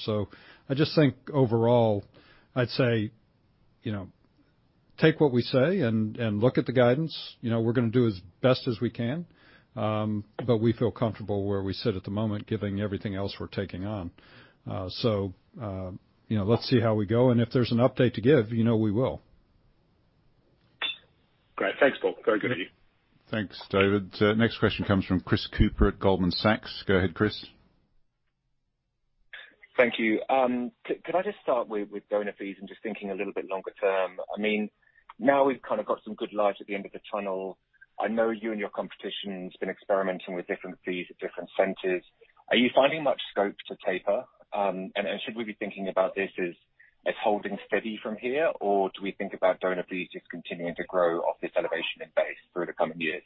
I just think overall, I'd say, you know, take what we say and look at the guidance. You know, we're gonna do as best as we can, but we feel comfortable where we sit at the moment, giving everything else we're taking on. You know, let's see how we go. If there's an update to give, you know we will. Great. Thanks, Paul. Very good of you. Thanks, David. Next question comes from Chris Cooper at Goldman Sachs. Go ahead, Chris. Thank you. Could I just start with donor fees and just thinking a little bit longer term? I mean, now we've kind of got some good light at the end of the tunnel. I know you and your competition's been experimenting with different fees at different centers. Are you finding much scope to taper? And should we be thinking about this as holding steady from here, or do we think about donor fees just continuing to grow off this elevation in base through the coming years?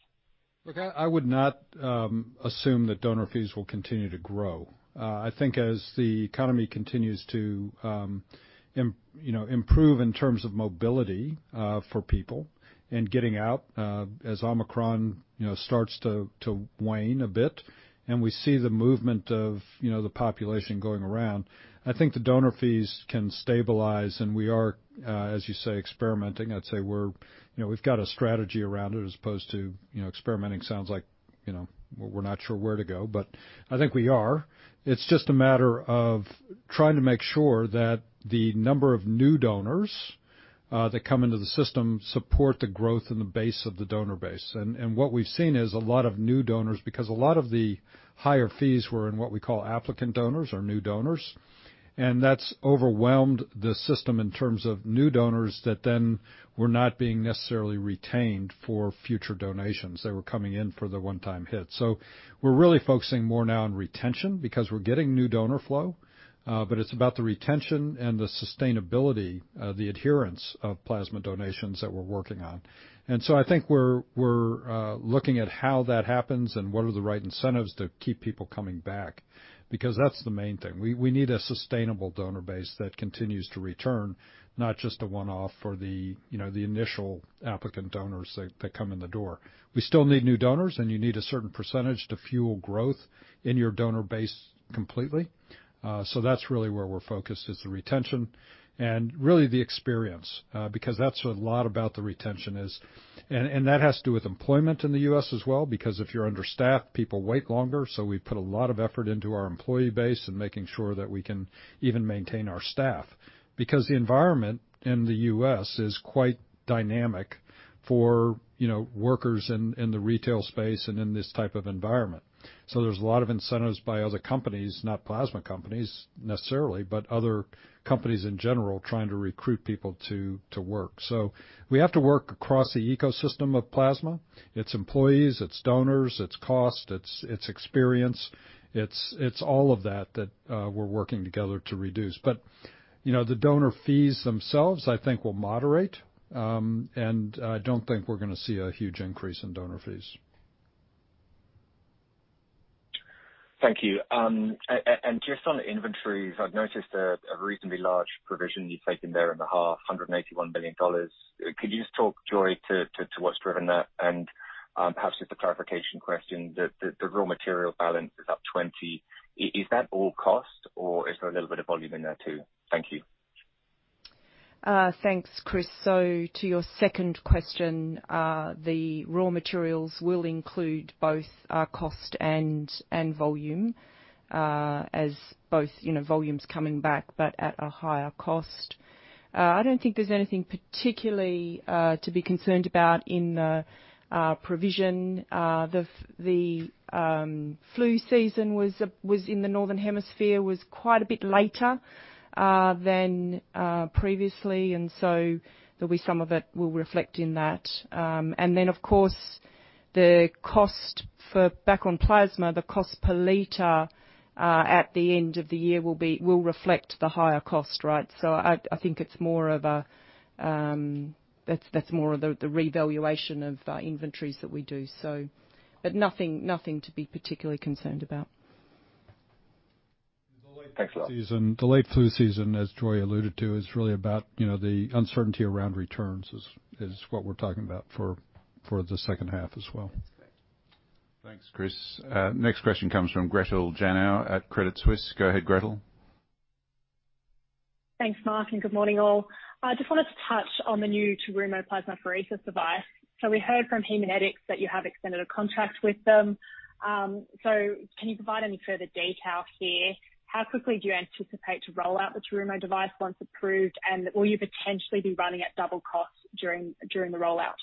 Look, I would not assume that donor fees will continue to grow. I think as the economy continues to, you know, improve in terms of mobility for people and getting out, as Omicron, you know, starts to wane a bit, and we see the movement of, you know, the population going around, I think the donor fees can stabilize. We are, as you say, experimenting. I'd say we're you know, we've got a strategy around it as opposed to, you know, experimenting sounds like, you know, we're not sure where to go, but I think we are. It's just a matter of trying to make sure that the number of new donors that come into the system support the growth in the base of the donor base. What we've seen is a lot of new donors, because a lot of the higher fees were in what we call applicant donors or new donors, and that's overwhelmed the system in terms of new donors that then were not being necessarily retained for future donations. They were coming in for the one-time hit. We're really focusing more now on retention because we're getting new donor flow, but it's about the retention and the sustainability, the adherence of plasma donations that we're working on. I think we're looking at how that happens and what are the right incentives to keep people coming back, because that's the main thing. We need a sustainable donor base that continues to return, not just a one-off for the, you know, the initial applicant donors that come in the door. We still need new donors, and you need a certain percentage to fuel growth in your donor base completely, so that's really where we're focused, is the retention and really the experience, because that's what it's all about, the retention. That has to do with employment in the U.S. as well, because if you're understaffed, people wait longer. We put a lot of effort into our employee base and making sure that we can even maintain our staff because the environment in the U.S. is quite dynamic for, you know, workers in the retail space and in this type of environment. There's a lot of incentives by other companies, not plasma companies necessarily, but other companies in general trying to recruit people to work. We have to work across the ecosystem of plasma, its employees, its donors, its cost, its experience. It's all of that that we're working together to reduce. You know, the donor fees themselves, I think will moderate, and I don't think we're gonna see a huge increase in donor fees. Thank you. Just on inventories, I've noticed a reasonably large provision you've taken there in the half, 181 billion dollars. Could you just talk, Joy, to what's driven that? Perhaps just a clarification question. The raw material balance is up 20%. Is that all cost or is there a little bit of volume in there, too? Thank you. Thanks, Chris. To your second question, the raw materials will include both cost and volume, as both, you know, volume's coming back but at a higher cost. I don't think there's anything particularly to be concerned about in the provision. The flu season in the northern hemisphere was quite a bit later than previously, and there'll be some of it will reflect in that. Then of course, back on plasma, the cost per liter at the end of the year will reflect the higher cost, right? I think it's more of a revaluation of inventories that we do. Nothing to be particularly concerned about. Thanks a lot. The late flu season, as Joy alluded to, is really about, you know, the uncertainty around returns is what we're talking about for the second half as well. That's correct. Thanks, Chris. Next question comes from Gretel Janu at Credit Suisse. Go ahead, Gretel. Thanks, Mark, and good morning, all. I just wanted to touch on the new Terumo plasmapheresis device. We heard from Haemonetics that you have extended a contract with them. Can you provide any further detail here? How quickly do you anticipate to roll out the Terumo device once approved, and will you potentially be running at double costs during the rollout?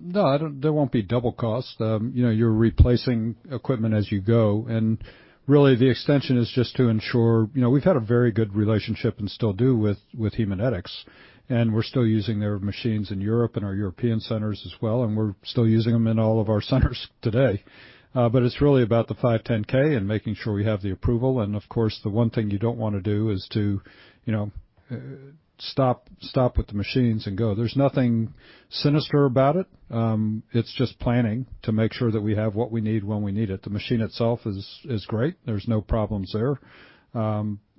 No, I don't. There won't be double costs. You know, you're replacing equipment as you go, and really the extension is just to ensure. You know, we've had a very good relationship and still do with Haemonetics, and we're still using their machines in Europe and our European centers as well, and we're still using them in all of our centers today. It's really about the 510(k) and making sure we have the approval. Of course, the one thing you don't wanna do is to, you know, stop with the machines and go. There's nothing sinister about it. It's just planning to make sure that we have what we need when we need it. The machine itself is great. There's no problems there.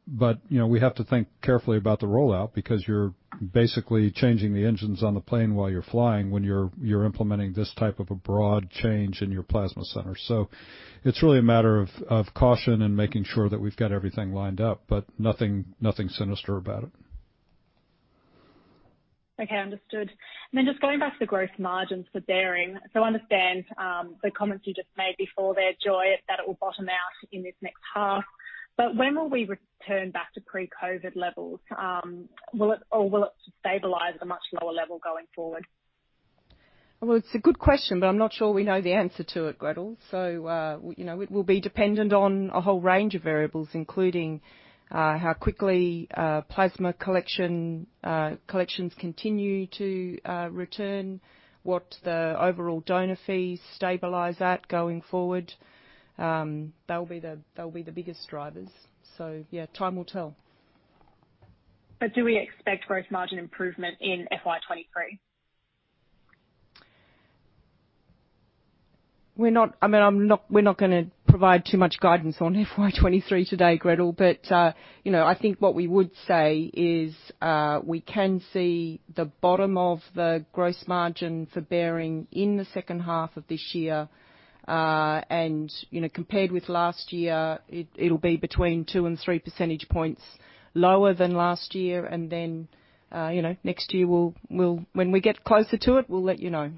You know, we have to think carefully about the rollout because you're basically changing the engines on the plane while you're flying, when you're implementing this type of a broad change in your plasma center. It's really a matter of caution and making sure that we've got everything lined up, but nothing sinister about it. Okay, understood. Just going back to the growth margins for Behring. I understand the comments you just made before there, Joy, that it will bottom out in this next half. When will we return back to pre-COVID levels? Will it stabilize at a much lower level going forward? Well, it's a good question, but I'm not sure we know the answer to it, Gretel. You know, it will be dependent on a whole range of variables, including how quickly plasma collections continue to return, what the overall donor fees stabilize at going forward. That'll be the biggest drivers. Yeah, time will tell. Do we expect gross margin improvement in FY 2023? We're not gonna provide too much guidance on FY 2023 today, Gretel. You know, I think what we would say is, we can see the bottom of the gross margin for Behring in the second half of this year. You know, compared with last year, it'll be between two and three percentage points lower than last year. Next year, when we get closer to it, we'll let you know.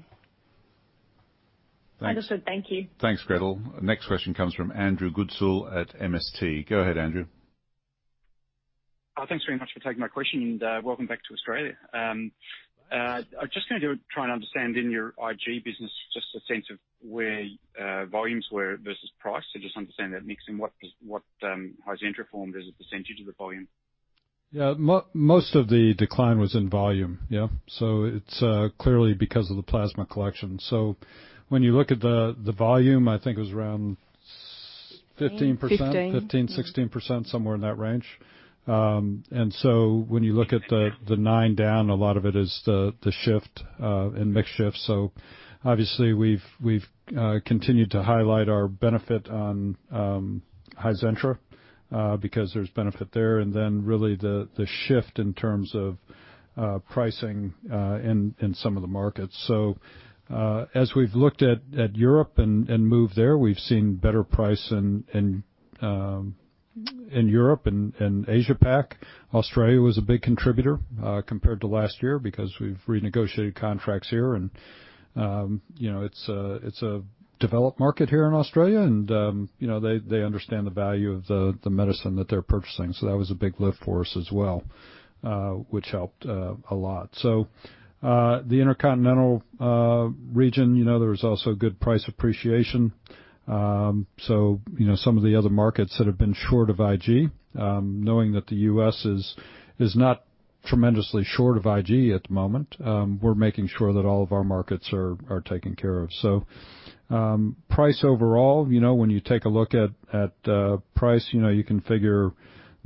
Understood. Thank you. Thanks, Gretel. Next question comes from Andrew Goodsall at MST. Go ahead, Andrew. Thanks very much for taking my question and welcome back to Australia. I'm just gonna try and understand in your IG business, just a sense of where volumes were versus price. Just understand that mix and what does Hizentra form as a percentage of the volume. Yeah. Most of the decline was in volume. Yeah. It's clearly because of the plasma collection. When you look at the volume, I think it was around 15%. 15. 15%-16%, somewhere in that range. When you look at the 9 down, a lot of it is the shift and mix shift. Obviously we've continued to highlight our benefit on Hizentra, because there's benefit there. Then really the shift in terms of pricing in some of the markets. As we've looked at Europe and moved there, we've seen better price in Europe and Asia Pac. Australia was a big contributor compared to last year because we've renegotiated contracts here and you know, it's a developed market here in Australia and you know, they understand the value of the medicine that they're purchasing. That was a big lift for us as well, which helped a lot. The intercontinental region, you know, there was also good price appreciation. You know, some of the other markets that have been short of IG, knowing that the U.S. is not tremendously short of IG at the moment. We're making sure that all of our markets are taken care of. Price overall, you know, when you take a look at price, you know, you can figure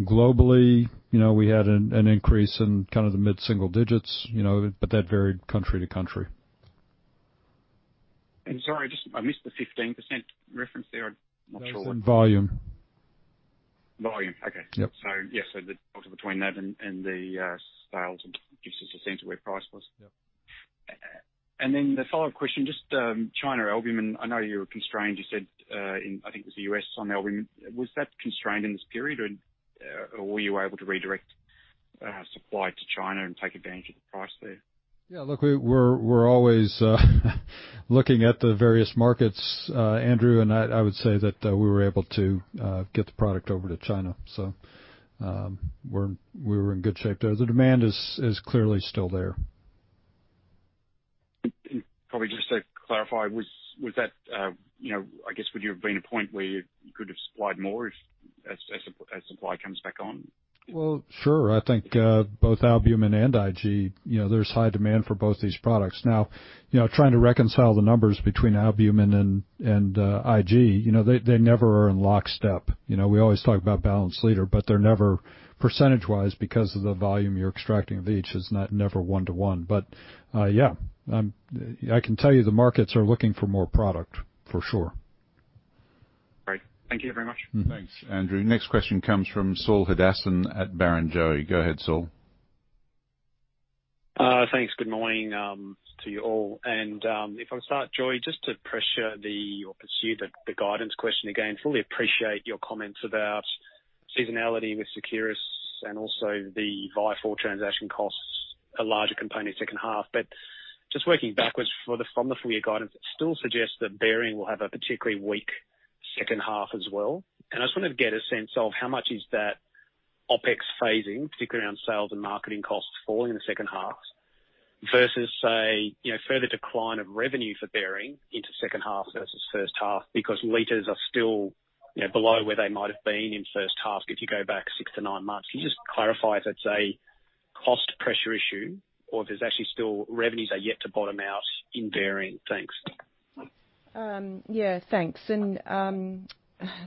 globally, you know, we had an increase in kind of the mid-single digits, you know, but that varied country to country. Sorry, I just missed the 15% reference there. I'm not sure what. That was in volume. Volume. Okay. Yep. Yes. The total between that and the sales gives us a sense of where price was. Yep. The follow-up question, just China albumin, I know you were constrained, you said, in I think it was the U.S. on albumin. Was that constrained in this period? Or were you able to redirect supply to China and take advantage of the price there? Yeah, look, we're always looking at the various markets, Andrew, and I would say that we were able to get the product over to China. We're in good shape there. The demand is clearly still there. Probably just to clarify, was that, you know, I guess would there have been a point where you could have supplied more if supply comes back on? Well, sure. I think both albumin and IG, you know, there's high demand for both these products. Now, you know, trying to reconcile the numbers between albumin and IG, you know, they never are in lockstep. You know, we always talk about balance leader, but they're never percentage-wise because of the volume you're extracting of each. It's not never one to one. I can tell you the markets are looking for more product for sure. Great. Thank you very much. Mm-hmm. Thanks, Andrew. Next question comes from Saul Hadassin at Barrenjoey. Go ahead, Saul. Thanks. Good morning to you all. If I start, Joy, just to pursue the guidance question again. Fully appreciate your comments about seasonality with Seqirus and also the Vifor transaction costs, a larger component second half. Just working backwards from the full year guidance, it still suggests that Behring will have a particularly weak second half as well. I just wanted to get a sense of how much is that OpEx phasing, particularly around sales and marketing costs falling in the second half versus, say, you know, further decline of revenue for Behring into second half versus first half. Because liters are still, you know, below where they might have been in first half if you go back six to nine months. Can you just clarify if that's a cost pressure issue or if there's actually still revenues are yet to bottom out in Behring? Thanks. Yeah, thanks.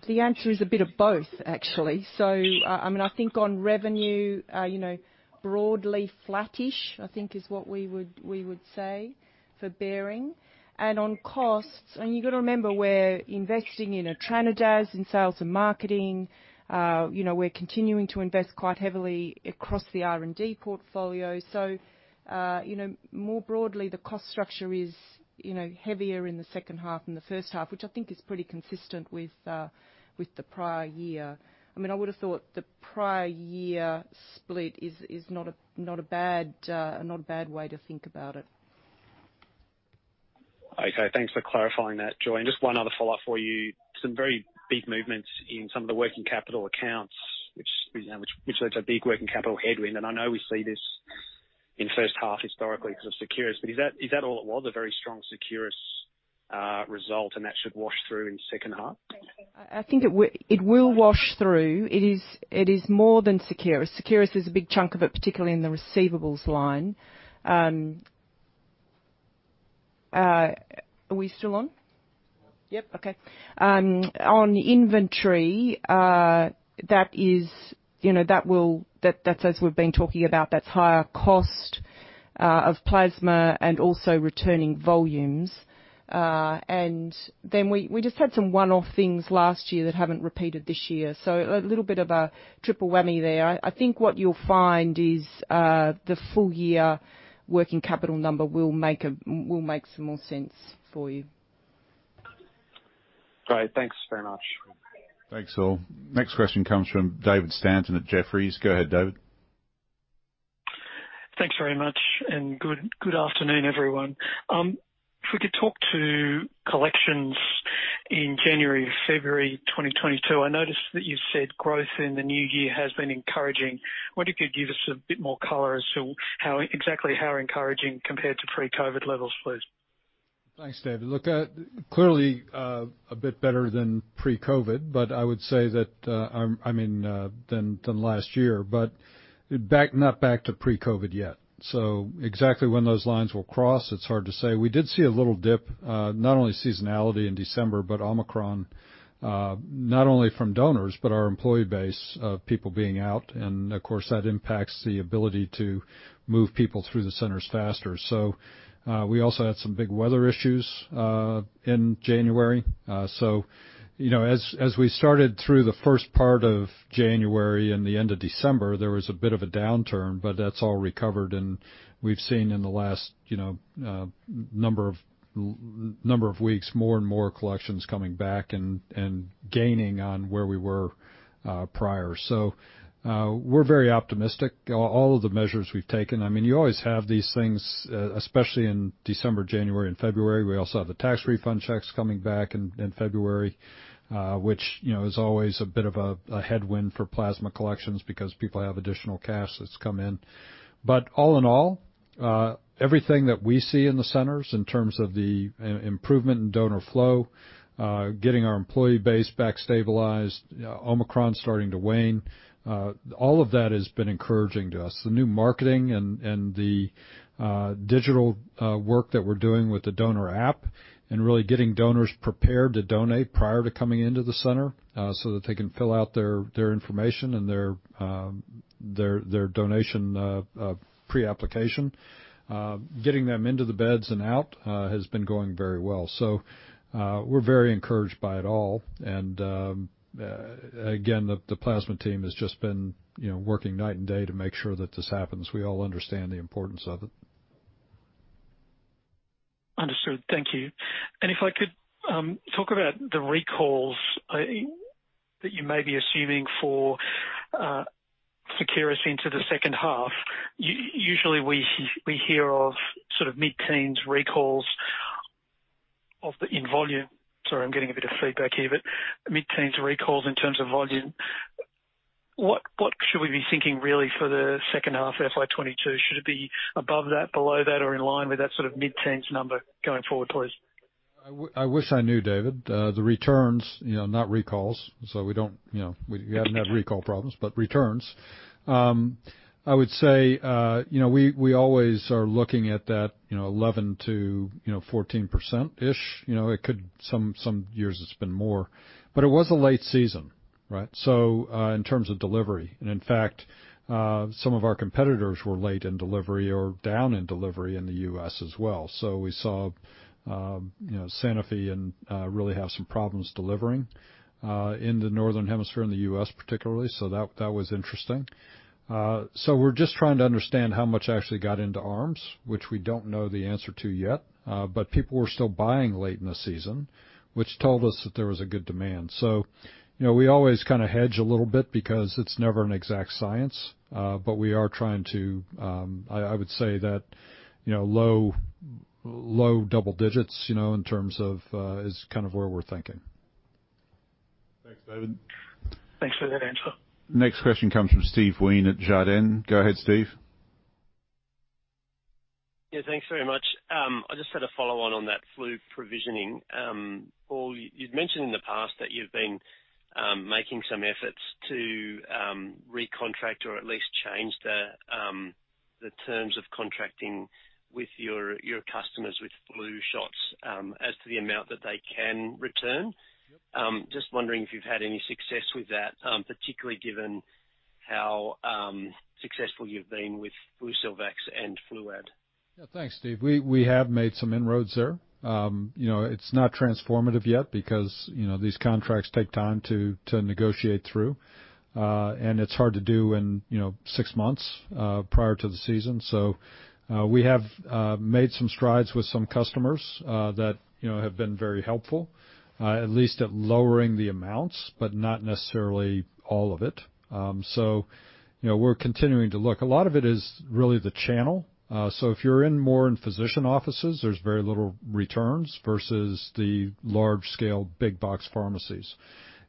The answer is a bit of both actually. I mean, I think on revenue, you know, broadly flattish is what we would say for Behring. On costs, you've got to remember, we're investing in Vifor in sales and marketing. You know, we're continuing to invest quite heavily across the R&D portfolio. You know, more broadly, the cost structure is heavier in the second half than the first half, which I think is pretty consistent with the prior year. I mean, I would've thought the prior year split is not a bad way to think about it. Okay. Thanks for clarifying that, Joy. Just one other follow-up for you. Some very big movements in some of the working capital accounts, which, you know, leads a big working capital headwind. I know we see this in first half historically because of Seqirus. Is that all it was, a very strong Seqirus result and that should wash through in second half? I think it will wash through. It is more than Seqirus. Seqirus is a big chunk of it, particularly in the receivables line. Are we still on? Yep. Okay. On inventory, that is, you know, that's as we've been talking about, that's higher cost of plasma and also returning volumes. We just had some one-off things last year that haven't repeated this year. A little bit of a triple whammy there. I think what you'll find is, the full year working capital number will make some more sense for you. Great. Thanks very much. Thanks, Paul. Next question comes from David Stanton at Jefferies. Go ahead, David. Thanks very much and good afternoon, everyone. If we could talk to collections in January, February 2022, I noticed that you said growth in the new year has been encouraging. Wonder if you could give us a bit more color as to how exactly encouraging compared to pre-COVID levels, please? Thanks, David. Look, clearly, a bit better than pre-COVID, but I would say that, I mean, than last year, but not back to pre-COVID yet. Exactly when those lines will cross, it's hard to say. We did see a little dip, not only seasonality in December, but Omicron, not only from donors but our employee base of people being out. Of course, that impacts the ability to move people through the centers faster. We also had some big weather issues in January. You know, as we started through the first part of January and the end of December, there was a bit of a downturn, but that's all recovered. We've seen in the last, you know, number of weeks, more and more collections coming back and gaining on where we were prior. We're very optimistic. All of the measures we've taken, I mean, you always have these things, especially in December, January, and February. We also have the tax refund checks coming back in February, which, you know, is always a bit of a headwind for plasma collections because people have additional cash that's come in. But all in all, everything that we see in the centers in terms of the improvement in donor flow, getting our employee base back stabilized, Omicron starting to wane, all of that has been encouraging to us. The new marketing and the digital work that we're doing with the donor app and really getting donors prepared to donate prior to coming into the center, so that they can fill out their information and their donation pre-application getting them into the beds and out has been going very well. We're very encouraged by it all. Again, the plasma team has just been, you know, working night and day to make sure that this happens. We all understand the importance of it. Understood. Thank you. If I could talk about the recalls that you may be assuming for Seqirus into the second half. Usually, we hear of sort of mid-teens recalls in volume. Sorry, I'm getting a bit of feedback here, but mid-teens recalls in terms of volume. What should we be thinking really for the second half of FY 2022? Should it be above that, below that or in line with that sort of mid-teens number going forward, please? I wish I knew David. The returns, you know, not recalls. We don't, you know, we haven't had recall problems, but returns. I would say, you know, we always are looking at that, you know, 11%-14%. You know, it could some years it's been more, but it was a late season, right? In terms of delivery and in fact, some of our competitors were late in delivery or down in delivery in the U.S. as well. We saw, you know, Sanofi and really have some problems delivering in the northern hemisphere, in the U.S. particularly. That was interesting. We're just trying to understand how much actually got into arms, which we don't know the answer to yet. People were still buying late in the season, which told us that there was a good demand. You know, we always kinda hedge a little bit because it's never an exact science. I would say that, you know, low double digits, you know, in terms of is kind of where we're thinking. Thanks, David. Thanks for that answer. Next question comes from Steve Wheen at Jarden. Go ahead, Steve. Yeah, thanks very much. I just had a follow-on on that flu provisioning. Paul, you've mentioned in the past that you've been making some efforts to recontract or at least change the terms of contracting with your customers with flu shots, as to the amount that they can return. Just wondering if you've had any success with that, particularly given how successful you've been with FluLaval and Fluad? Yeah. Thanks, Steve. We have made some inroads there. You know, it's not transformative yet because, you know, these contracts take time to negotiate through. And it's hard to do in, you know, six months prior to the season. We have made some strides with some customers that, you know, have been very helpful at least at lowering the amounts, but not necessarily all of it. You know, we're continuing to look. A lot of it is really the channel. If you're more in physician offices, there's very little returns versus the large scale big box pharmacies.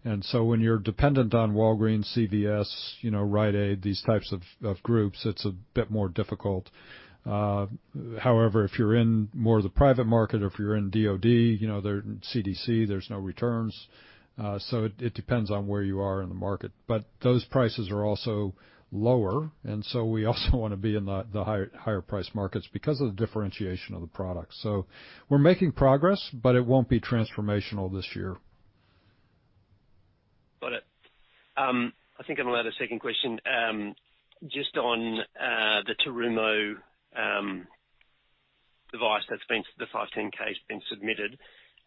When you're dependent on Walgreens, CVS, you know, Rite Aid, these types of groups, it's a bit more difficult. However, if you're in more of the private market or if you're in DoD or CDC, you know, there's no returns. It depends on where you are in the market. Those prices are also lower. We also wanna be in the higher price markets because of the differentiation of the product. We're making progress, but it won't be transformational this year. Got it. I think I'm allowed a second question. Just on the Terumo device that's the 510(k) case being submitted.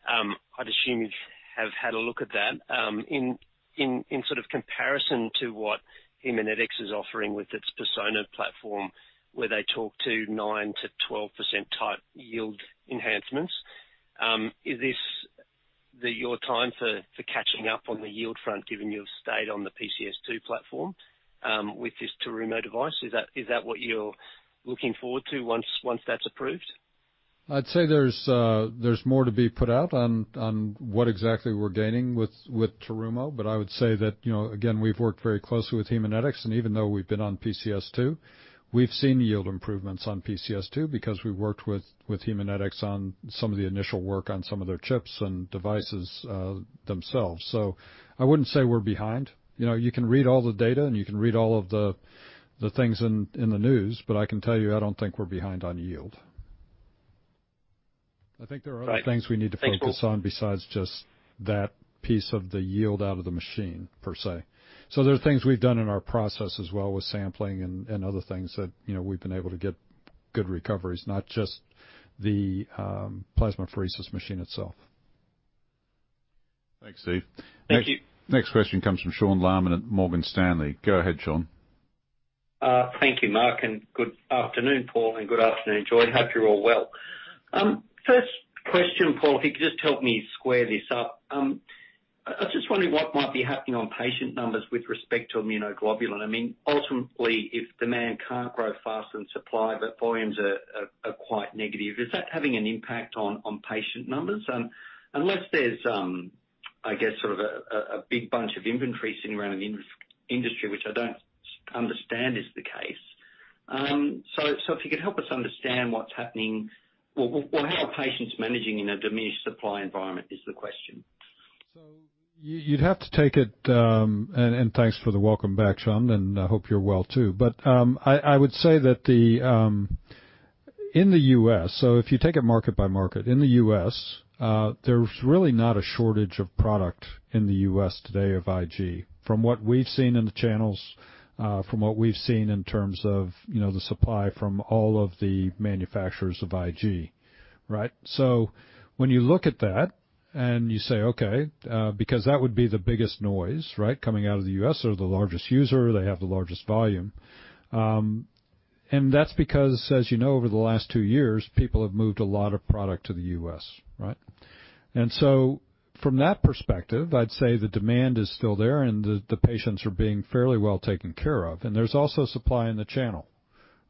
I'd assume you've had a look at that. In sort of comparison to what Haemonetics is offering with its Persona platform, where they talk to 9%-12% type yield enhancements. Is this your time for catching up on the yield front, given you've stayed on the PCS2 platform, with this Terumo device? Is that what you're looking forward to once that's approved? I'd say there's more to be put out on what exactly we're gaining with Terumo. I would say that, you know, again, we've worked very closely with Haemonetics, and even though we've been on PCS2, we've seen yield improvements on PCS2 because we worked with Haemonetics on some of the initial work on some of their chips and devices themselves. I wouldn't say we're behind. You know, you can read all the data and you can read all of the things in the news, but I can tell you, I don't think we're behind on yield. Right. Thank you. I think there are other things we need to focus on besides just that piece of the yield out of the machine per se. There are things we've done in our process as well with sampling and other things that, you know, we've been able to get good recoveries, not just the plasmapheresis machine itself. Thanks, Steve. Thank you. Next question comes from Sean Laaman at Morgan Stanley. Go ahead, Sean. Thank you, Mark, and good afternoon, Paul, and good afternoon, Joy. Hope you're all well. First question, Paul. If you could just help me square this up. I was just wondering what might be happening on patient numbers with respect to immunoglobulin. I mean, ultimately, if demand can't grow faster than supply, but volumes are quite negative, is that having an impact on patient numbers? Unless there's, I guess, sort of a big bunch of inventory sitting around in industry which I don't understand is the case. So if you could help us understand what's happening or how are patients managing in a diminished supply environment is the question. Thanks for the welcome back, Sean, and I hope you're well, too. I would say that in the U.S., so if you take it market by market, in the U.S., there's really not a shortage of product in the U.S. today of IG from what we've seen in the channels, from what we've seen in terms of, you know, the supply from all of the manufacturers of IG, right? When you look at that and you say, "Okay," because that would be the biggest noise, right, coming out of the U.S. are the largest user. They have the largest volume. That's because, as you know, over the last two years, people have moved a lot of product to the U.S., right? From that perspective, I'd say the demand is still there and the patients are being fairly well taken care of. There's also supply in the channel,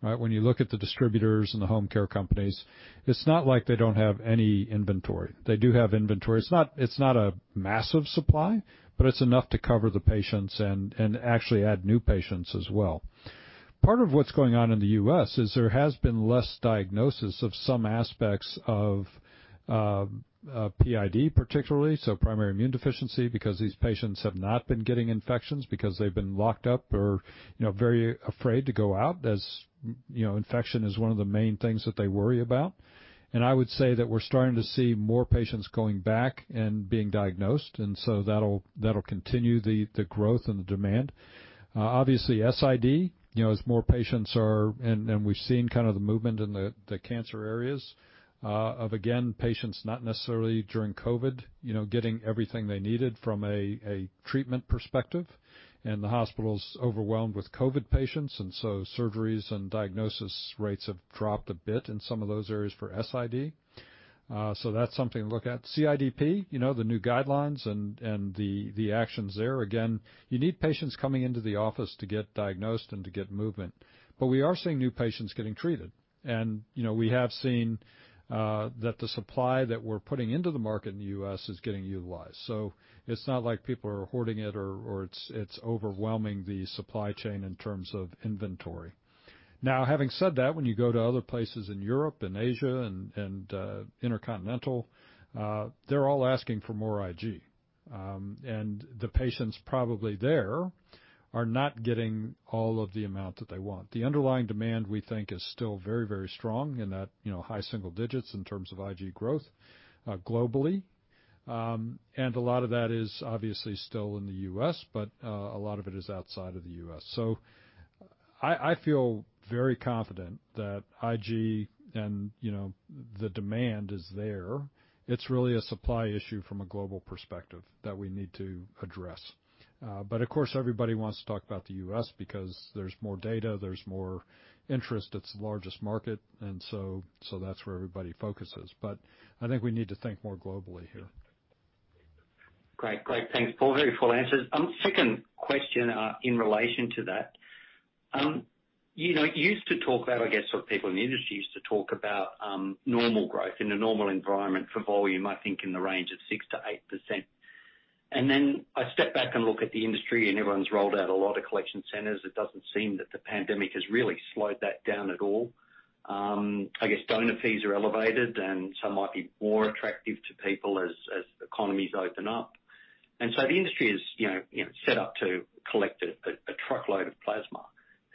right? When you look at the distributors and the home care companies, it's not like they don't have any inventory. They do have inventory. It's not a massive supply, but it's enough to cover the patients and actually add new patients as well. Part of what's going on in the U.S. is there has been less diagnosis of some aspects of PID particularly, so primary immune deficiency, because these patients have not been getting infections because they've been locked up or, you know, very afraid to go out as you know, infection is one of the main things that they worry about. I would say that we're starting to see more patients going back and being diagnosed, and so that'll continue the growth and the demand. Obviously SID, you know, as more patients are and we've seen kind of the movement in the cancer areas of again, patients not necessarily during COVID, you know, getting everything they needed from a treatment perspective. The hospital's overwhelmed with COVID patients, and so surgeries and diagnosis rates have dropped a bit in some of those areas for SID. So that's something to look at. CIDP, you know, the new guidelines and the actions there. Again, you need patients coming into the office to get diagnosed and to get movement. But we are seeing new patients getting treated. You know, we have seen that the supply that we're putting into the market in the U.S. is getting utilized. It's not like people are hoarding it or it's overwhelming the supply chain in terms of inventory. Now, having said that, when you go to other places in Europe and Asia and international, they're all asking for more IG. The patients probably there are not getting all of the amount that they want. The underlying demand, we think, is still very, very strong in that, you know, high single digits in terms of IG growth globally. A lot of that is obviously still in the U.S., but a lot of it is outside of the U.S. I feel very confident that IG and, you know, the demand is there. It's really a supply issue from a global perspective that we need to address. Of course, everybody wants to talk about the U.S. because there's more data, there's more interest. It's the largest market, and so that's where everybody focuses. I think we need to think more globally here. Great. Thanks, Paul. Very full answers. Second question, in relation to that. You know, you used to talk about, I guess, what people in the industry used to talk about, normal growth in a normal environment for volume, I think in the range of 6%-8%. Then I step back and look at the industry and everyone's rolled out a lot of collection centers. It doesn't seem that the pandemic has really slowed that down at all. I guess donor fees are elevated and some might be more attractive to people as economies open up. The industry is, you know, set up to collect a truckload of plasma.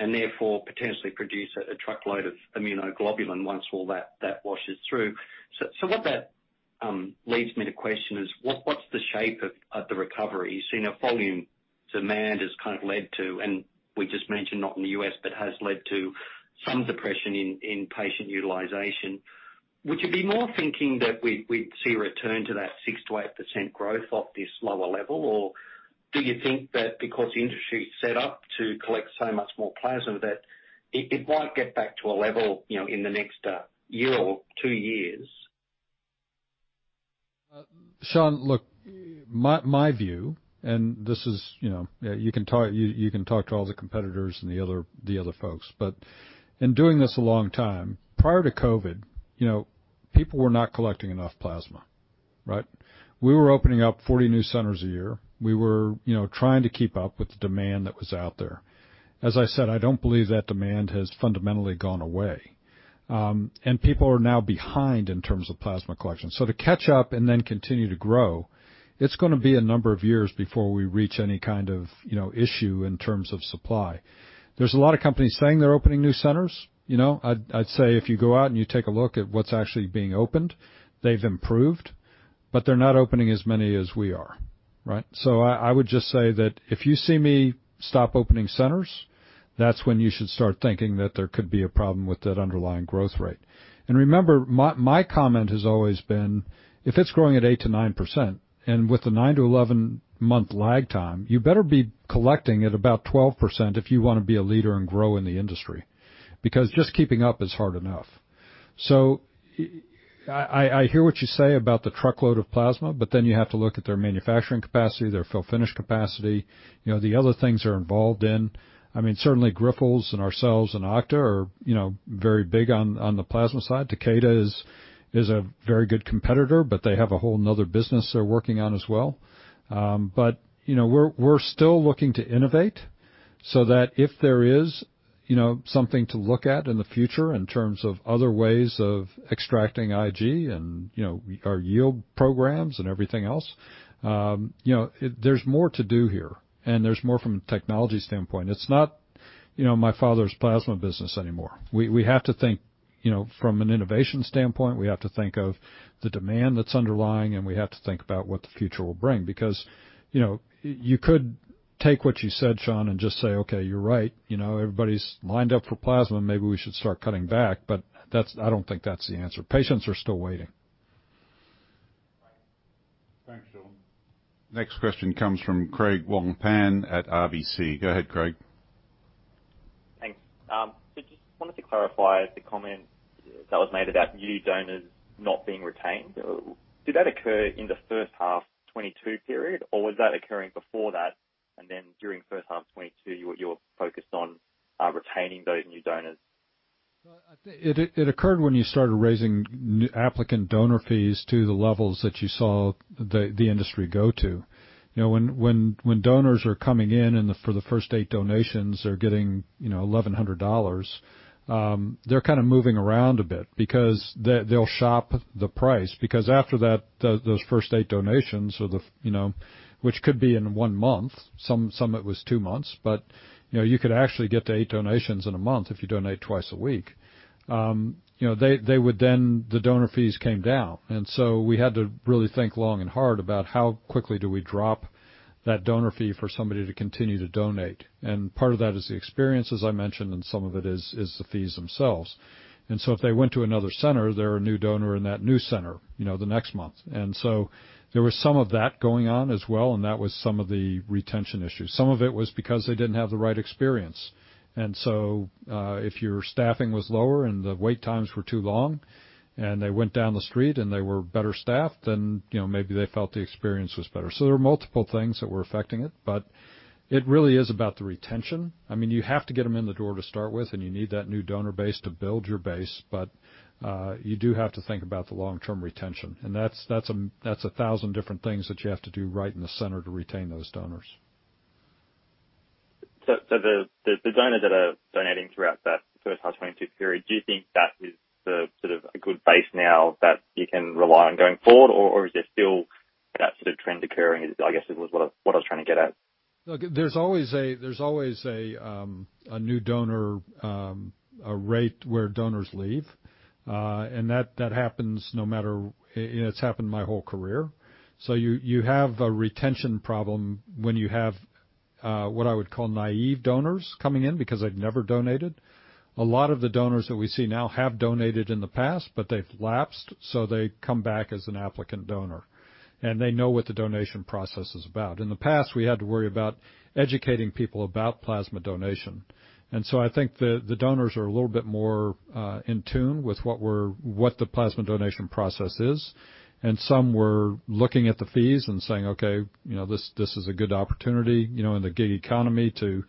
Therefore, potentially produce a truckload of immunoglobulin once all that washes through. What that leads me to question is what's the shape of the recovery? You've seen that volume demand has kind of led to, and we just mentioned not in the U.S., but has led to some depression in patient utilization. Would you be more thinking that we'd see a return to that 6%-8% growth off this lower level? Or do you think that because the industry is set up to collect so much more plasma, that it won't get back to a level, you know, in the next year or two years? Sean, look, my view, and this is, you know, you can talk to all the competitors and the other folks. In doing this a long time, prior to COVID, you know, people were not collecting enough plasma, right? We were opening up 40 new centers a year. We were, you know, trying to keep up with the demand that was out there. As I said, I don't believe that demand has fundamentally gone away. People are now behind in terms of plasma collection. To catch up and then continue to grow, it's gonna be a number of years before we reach any kind of, you know, issue in terms of supply. There's a lot of companies saying they're opening new centers. You know, I'd say if you go out and you take a look at what's actually being opened, they've improved, but they're not opening as many as we are, right? I would just say that if you see me stop opening centers, that's when you should start thinking that there could be a problem with that underlying growth rate. Remember, my comment has always been, if it's growing at 8%-9% and with the nine-11-month lag time, you better be collecting at about 12% if you wanna be a leader and grow in the industry, because just keeping up is hard enough. I hear what you say about the truckload of plasma, but then you have to look at their manufacturing capacity, their fill finish capacity, you know, the other things they're involved in. I mean, certainly Grifols and ourselves and Octapharma are, you know, very big on the plasma side. Takeda is a very good competitor, but they have a whole another business they're working on as well. We're still looking to innovate so that if there is, you know, something to look at in the future in terms of other ways of extracting IG and, you know, our yield programs and everything else, you know, there's more to do here, and there's more from a technology standpoint. It's not, you know, my father's plasma business anymore. We have to think, you know, from an innovation standpoint, we have to think of the demand that's underlying, and we have to think about what the future will bring. You could take what you said, Sean, and just say, "Okay, you're right. You know, everybody's lined up for plasma. Maybe we should start cutting back. That's, I don't think that's the answer. Patients are still waiting. Thanks, Sean. Next question comes from Craig Wong-Pan at RBC. Go ahead, Craig. Thanks. Just wanted to clarify the comment that was made about new donors not being retained. Did that occur in the first half 2022 period, or was that occurring before that? During first half 2022, you were focused on retaining those new donors. It occurred when you started raising applicant donor fees to the levels that you saw the industry go to. You know, when donors are coming in for the first eight donations, they're getting $1,100, they're kind of moving around a bit because they'll shop the price because after that, those first eight donations or the, you know, which could be in one month, some it was two months, but, you know, you could actually get to eight donations in a month if you donate twice a week. You know, they would then the donor fees came down. We had to really think long and hard about how quickly do we drop that donor fee for somebody to continue to donate. Part of that is the experience, as I mentioned, and some of it is the fees themselves. If they went to another center, they're a new donor in that new center, you know, the next month. There was some of that going on as well, and that was some of the retention issues. Some of it was because they didn't have the right experience. If your staffing was lower and the wait times were too long, and they went down the street and they were better staffed, then, you know, maybe they felt the experience was better. There were multiple things that were affecting it, but it really is about the retention. I mean, you have to get them in the door to start with, and you need that new donor base to build your base. You do have to think about the long-term retention. That's a thousand different things that you have to do right in the center to retain those donors. The donors that are donating throughout that first half 2022 period, do you think that is the sort of a good base now that you can rely on going forward? Or is there still that sort of trend occurring, I guess, was what I was trying to get at. Look, there's always a new donor rate where donors leave, and that happens no matter what. It's happened my whole career. You have a retention problem when you have what I would call naive donors coming in because they've never donated. A lot of the donors that we see now have donated in the past, but they've lapsed, so they come back as an applicant donor, and they know what the donation process is about. In the past, we had to worry about educating people about plasma donation. I think the donors are a little bit more in tune with what the plasma donation process is. Some were looking at the fees and saying, "Okay, you know, this is a good opportunity, you know, in the gig economy to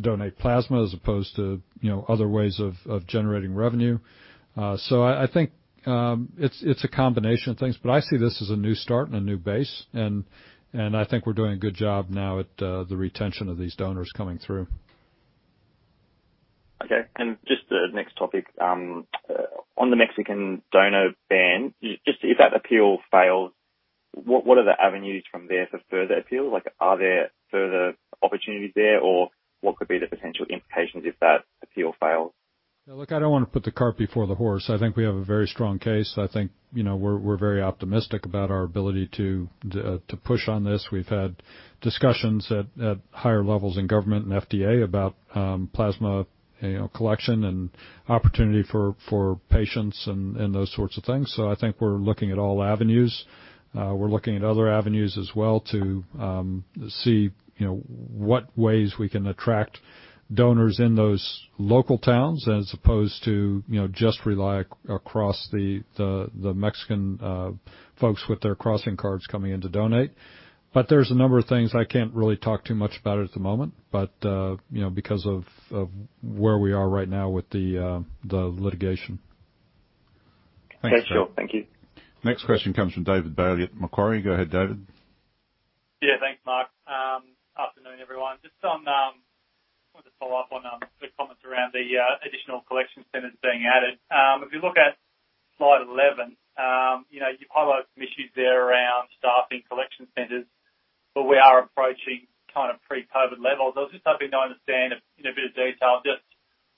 donate plasma as opposed to, you know, other ways of generating revenue." I think it's a combination of things. I see this as a new start and a new base. I think we're doing a good job now at the retention of these donors coming through. Okay. Just the next topic, on the Mexican donor ban, just if that appeal fails, what are the avenues from there for further appeals? Like, are there further opportunities there, or what could be the potential implications if that appeal fails? Yeah, look, I don't want to put the cart before the horse. I think we have a very strong case. I think, you know, we're very optimistic about our ability to push on this. We've had discussions at higher levels in government and FDA about plasma, you know, collection and opportunity for patients and those sorts of things. I think we're looking at all avenues. We're looking at other avenues as well to see, you know, what ways we can attract donors in those local towns as opposed to, you know, just rely across the Mexican folks with their Border Crossing Cards coming in to donate. There's a number of things I can't really talk too much about at the moment, but you know, because of where we are right now with the litigation. Okay, sure. Thank you. Next question comes from David Bailey at Macquarie. Go ahead, David. Yeah, thanks, Mark. Afternoon, everyone. Just on, I want to follow up on the comments around the additional collection centers being added. If you look at slide 11, you know, you highlight some issues there around staffing collection centers, but we are approaching kind of pre-COVID levels. I was just hoping to understand in a bit of detail just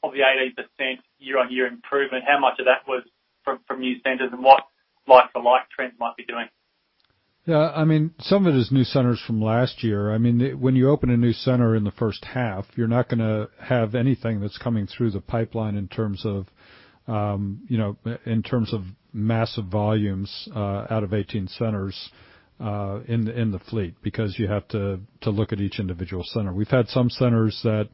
of the 80% year-on-year improvement, how much of that was from new centers and what like for like trends might be doing? Yeah, I mean, some of it is new centers from last year. I mean, when you open a new center in the first half, you're not gonna have anything that's coming through the pipeline in terms of, you know, in terms of massive volumes, out of 18 centers, in the fleet, because you have to look at each individual center. We've had some centers that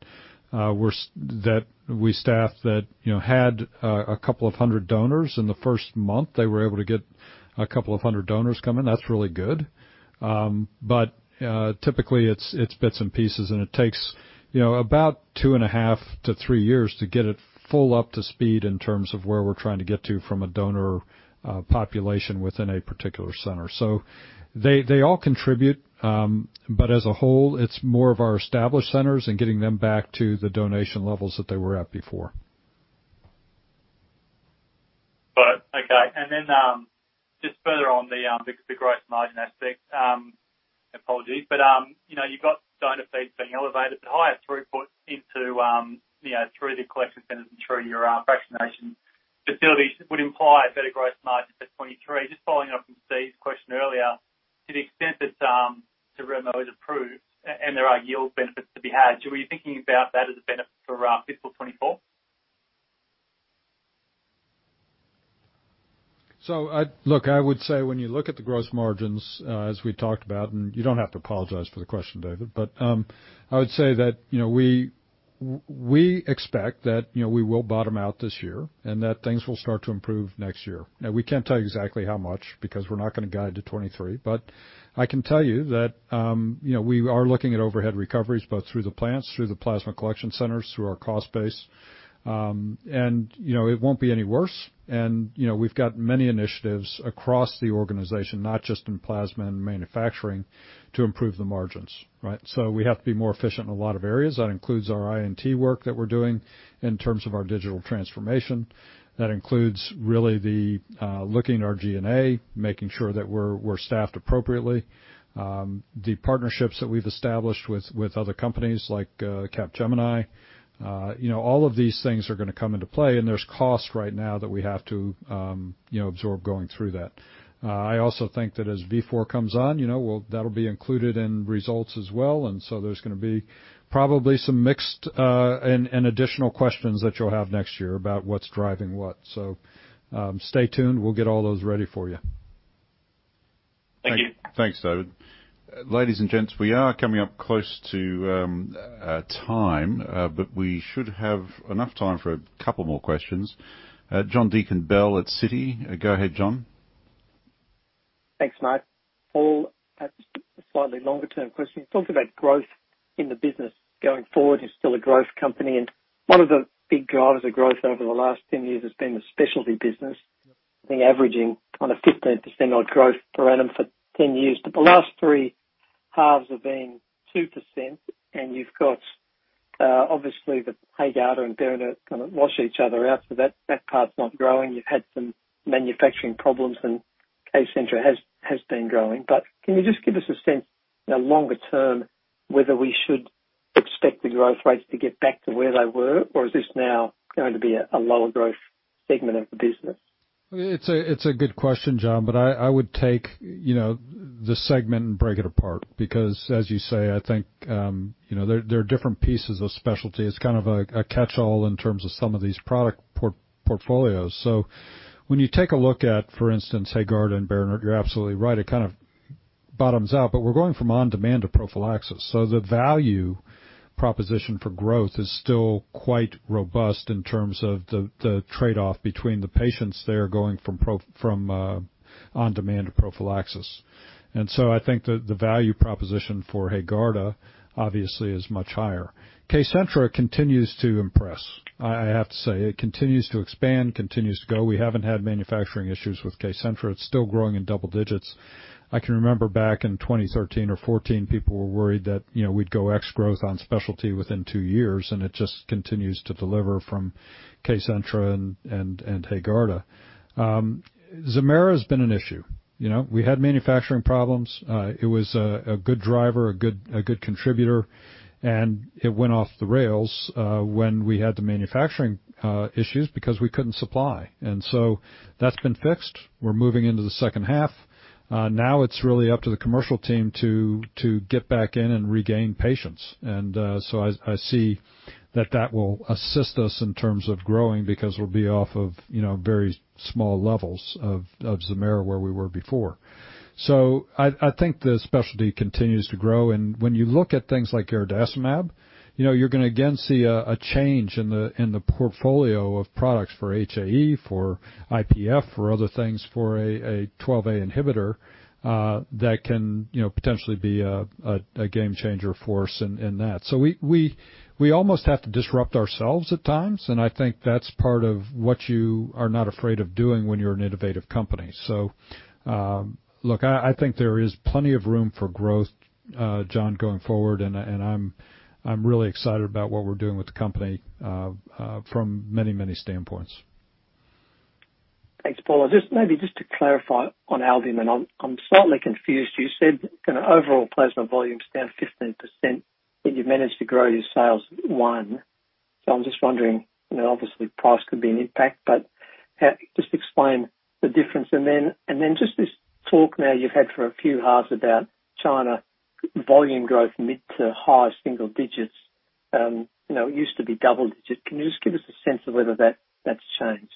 we staff that, you know, had a couple of hundred donors in the first month. They were able to get a couple of hundred donors come in. That's really good. Typically it's bits and pieces, and it takes, you know, about 2.5-three years to get it full up to speed in terms of where we're trying to get to from a donor population within a particular center. They all contribute, but as a whole, it's more of our established centers and getting them back to the donation levels that they were at before. Okay. Just further on the gross margin aspect, apologies, but you know, you've got donor fees being elevated, but higher throughput into you know, through the collection centers and through your fractionation facilities would imply better gross margins at 23. Just following up on Steve's question earlier, to the extent that the Terumo is approved and there are yield benefits to be had, were you thinking about that as a benefit for fiscal 2024? Look, I would say when you look at the gross margins, as we talked about, and you don't have to apologize for the question, David, but I would say that, you know, we expect that, you know, we will bottom out this year and that things will start to improve next year. We can't tell you exactly how much because we're not gonna guide to 2023. I can tell you that, you know, we are looking at overhead recoveries, both through the plants, through the plasma collection centers, through our cost base. It won't be any worse. You know, we've got many initiatives across the organization, not just in plasma and manufacturing, to improve the margins, right? We have to be more efficient in a lot of areas. That includes our I&T work that we're doing in terms of our digital transformation. That includes really the looking at our G&A, making sure that we're staffed appropriately. The partnerships that we've established with other companies like Capgemini, you know, all of these things are gonna come into play, and there's costs right now that we have to, you know, absorb going through that. I also think that as Vifor comes on, you know, that'll be included in results as well. There's gonna be probably some mixed and additional questions that you'll have next year about what's driving what. Stay tuned. We'll get all those ready for you. Thank you. Thanks, David. Ladies and gents, we are coming up close to time, but we should have enough time for a couple more questions. John Deakin-Bell at Citi. Go ahead, John. Thanks, Mark. Paul, perhaps a slightly longer-term question. You talked about growth in the business going forward. You're still a growth company, and one of the big drivers of growth over the last 10 years has been the specialty business. I think averaging kind of 15% odd growth per annum for 10 years. The last three halves have been 2%, and you've got obviously the HAEGARDA and Behring kind of wash each other out, so that part's not growing. You've had some manufacturing problems, and Kcentra has been growing. Can you just give us a sense now longer term, whether we should expect the growth rates to get back to where they were, or is this now going to be a lower growth segment of the business? It's a good question, John, but I would take, you know, the segment and break it apart because, as you say, I think, you know, there are different pieces of specialty. It's kind of a catch-all in terms of some of these product portfolios. So when you take a look at, for instance, HAEGARDA and Behring, you're absolutely right. It kind of bottoms out. But we're going from on-demand to prophylaxis. So the value proposition for growth is still quite robust in terms of the trade-off between the patients there going from on-demand to prophylaxis. I think that the value proposition for HAEGARDA obviously is much higher. Kcentra continues to impress. I have to say. It continues to expand, continues to grow. We haven't had manufacturing issues with Kcentra. It's still growing in double digits. I can remember back in 2013 or 2014, people were worried that, you know, we'd go X growth on specialty within two years, and it just continues to deliver from Kcentra and HAEGARDA. Xembify's been an issue. You know, we had manufacturing problems. It was a good driver, a good contributor. It went off the rails when we had the manufacturing issues because we couldn't supply. That's been fixed. We're moving into the second half. Now it's really up to the commercial team to get back in and regain patients. I see that that will assist us in terms of growing because we'll be off of, you know, very small levels of Xembify where we were before. I think the specialty continues to grow. When you look at things like garadacimab, you know, you're gonna again see a change in the portfolio of products for HAE, for IPF, for other things, for a Factor XIIa inhibitor that can, you know, potentially be a game changer for us in that. We almost have to disrupt ourselves at times, and I think that's part of what you are not afraid of doing when you're an innovative company. Look, I think there is plenty of room for growth, John, going forward, and I'm really excited about what we're doing with the company from many standpoints. Thanks, Paul. Just to clarify on albumin. I'm slightly confused. You said kind of overall plasma volumes down 15%, and you've managed to grow your sales 1%. I'm just wondering, you know, obviously price could be an impact, but just explain the difference. Just this talk now you've had for a few halves about China volume growth mid- to high-single digits. You know, it used to be double-digit. Can you just give us a sense of whether that's changed?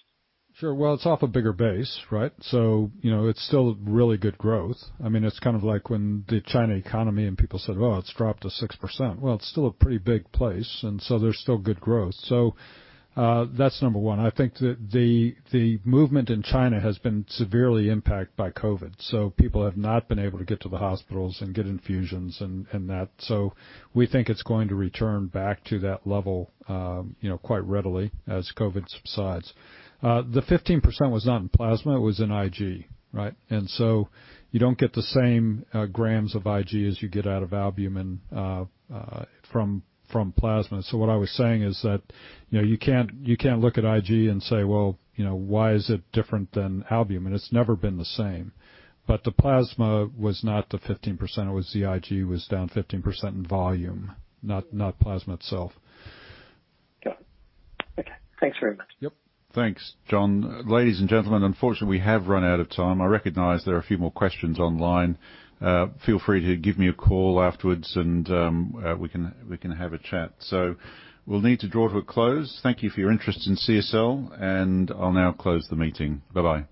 Sure. Well, it's off a bigger base, right? You know, it's still really good growth. I mean, it's kind of like when the China economy and people said, "Well, it's dropped to 6%." Well, it's still a pretty big place, and so there's still good growth. That's number one. I think that the movement in China has been severely impacted by COVID. People have not been able to get to the hospitals and get infusions and that. We think it's going to return back to that level, you know, quite readily as COVID subsides. The 15% was not in plasma. It was in IG, right? And so you don't get the same grams of IG as you get out of albumin from plasma. What I was saying is that, you know, you can't look at IG and say, "Well, you know, why is it different than albumin?" It's never been the same. The plasma was not the 15%. It was the IG was down 15% in volume, not plasma itself. Got it. Okay. Thanks very much. Yep. Thanks, John. Ladies and gentlemen, unfortunately we have run out of time. I recognize there are a few more questions online. Feel free to give me a call afterwards and we can have a chat. We'll need to draw to a close. Thank you for your interest in CSL, and I'll now close the meeting. Bye-bye.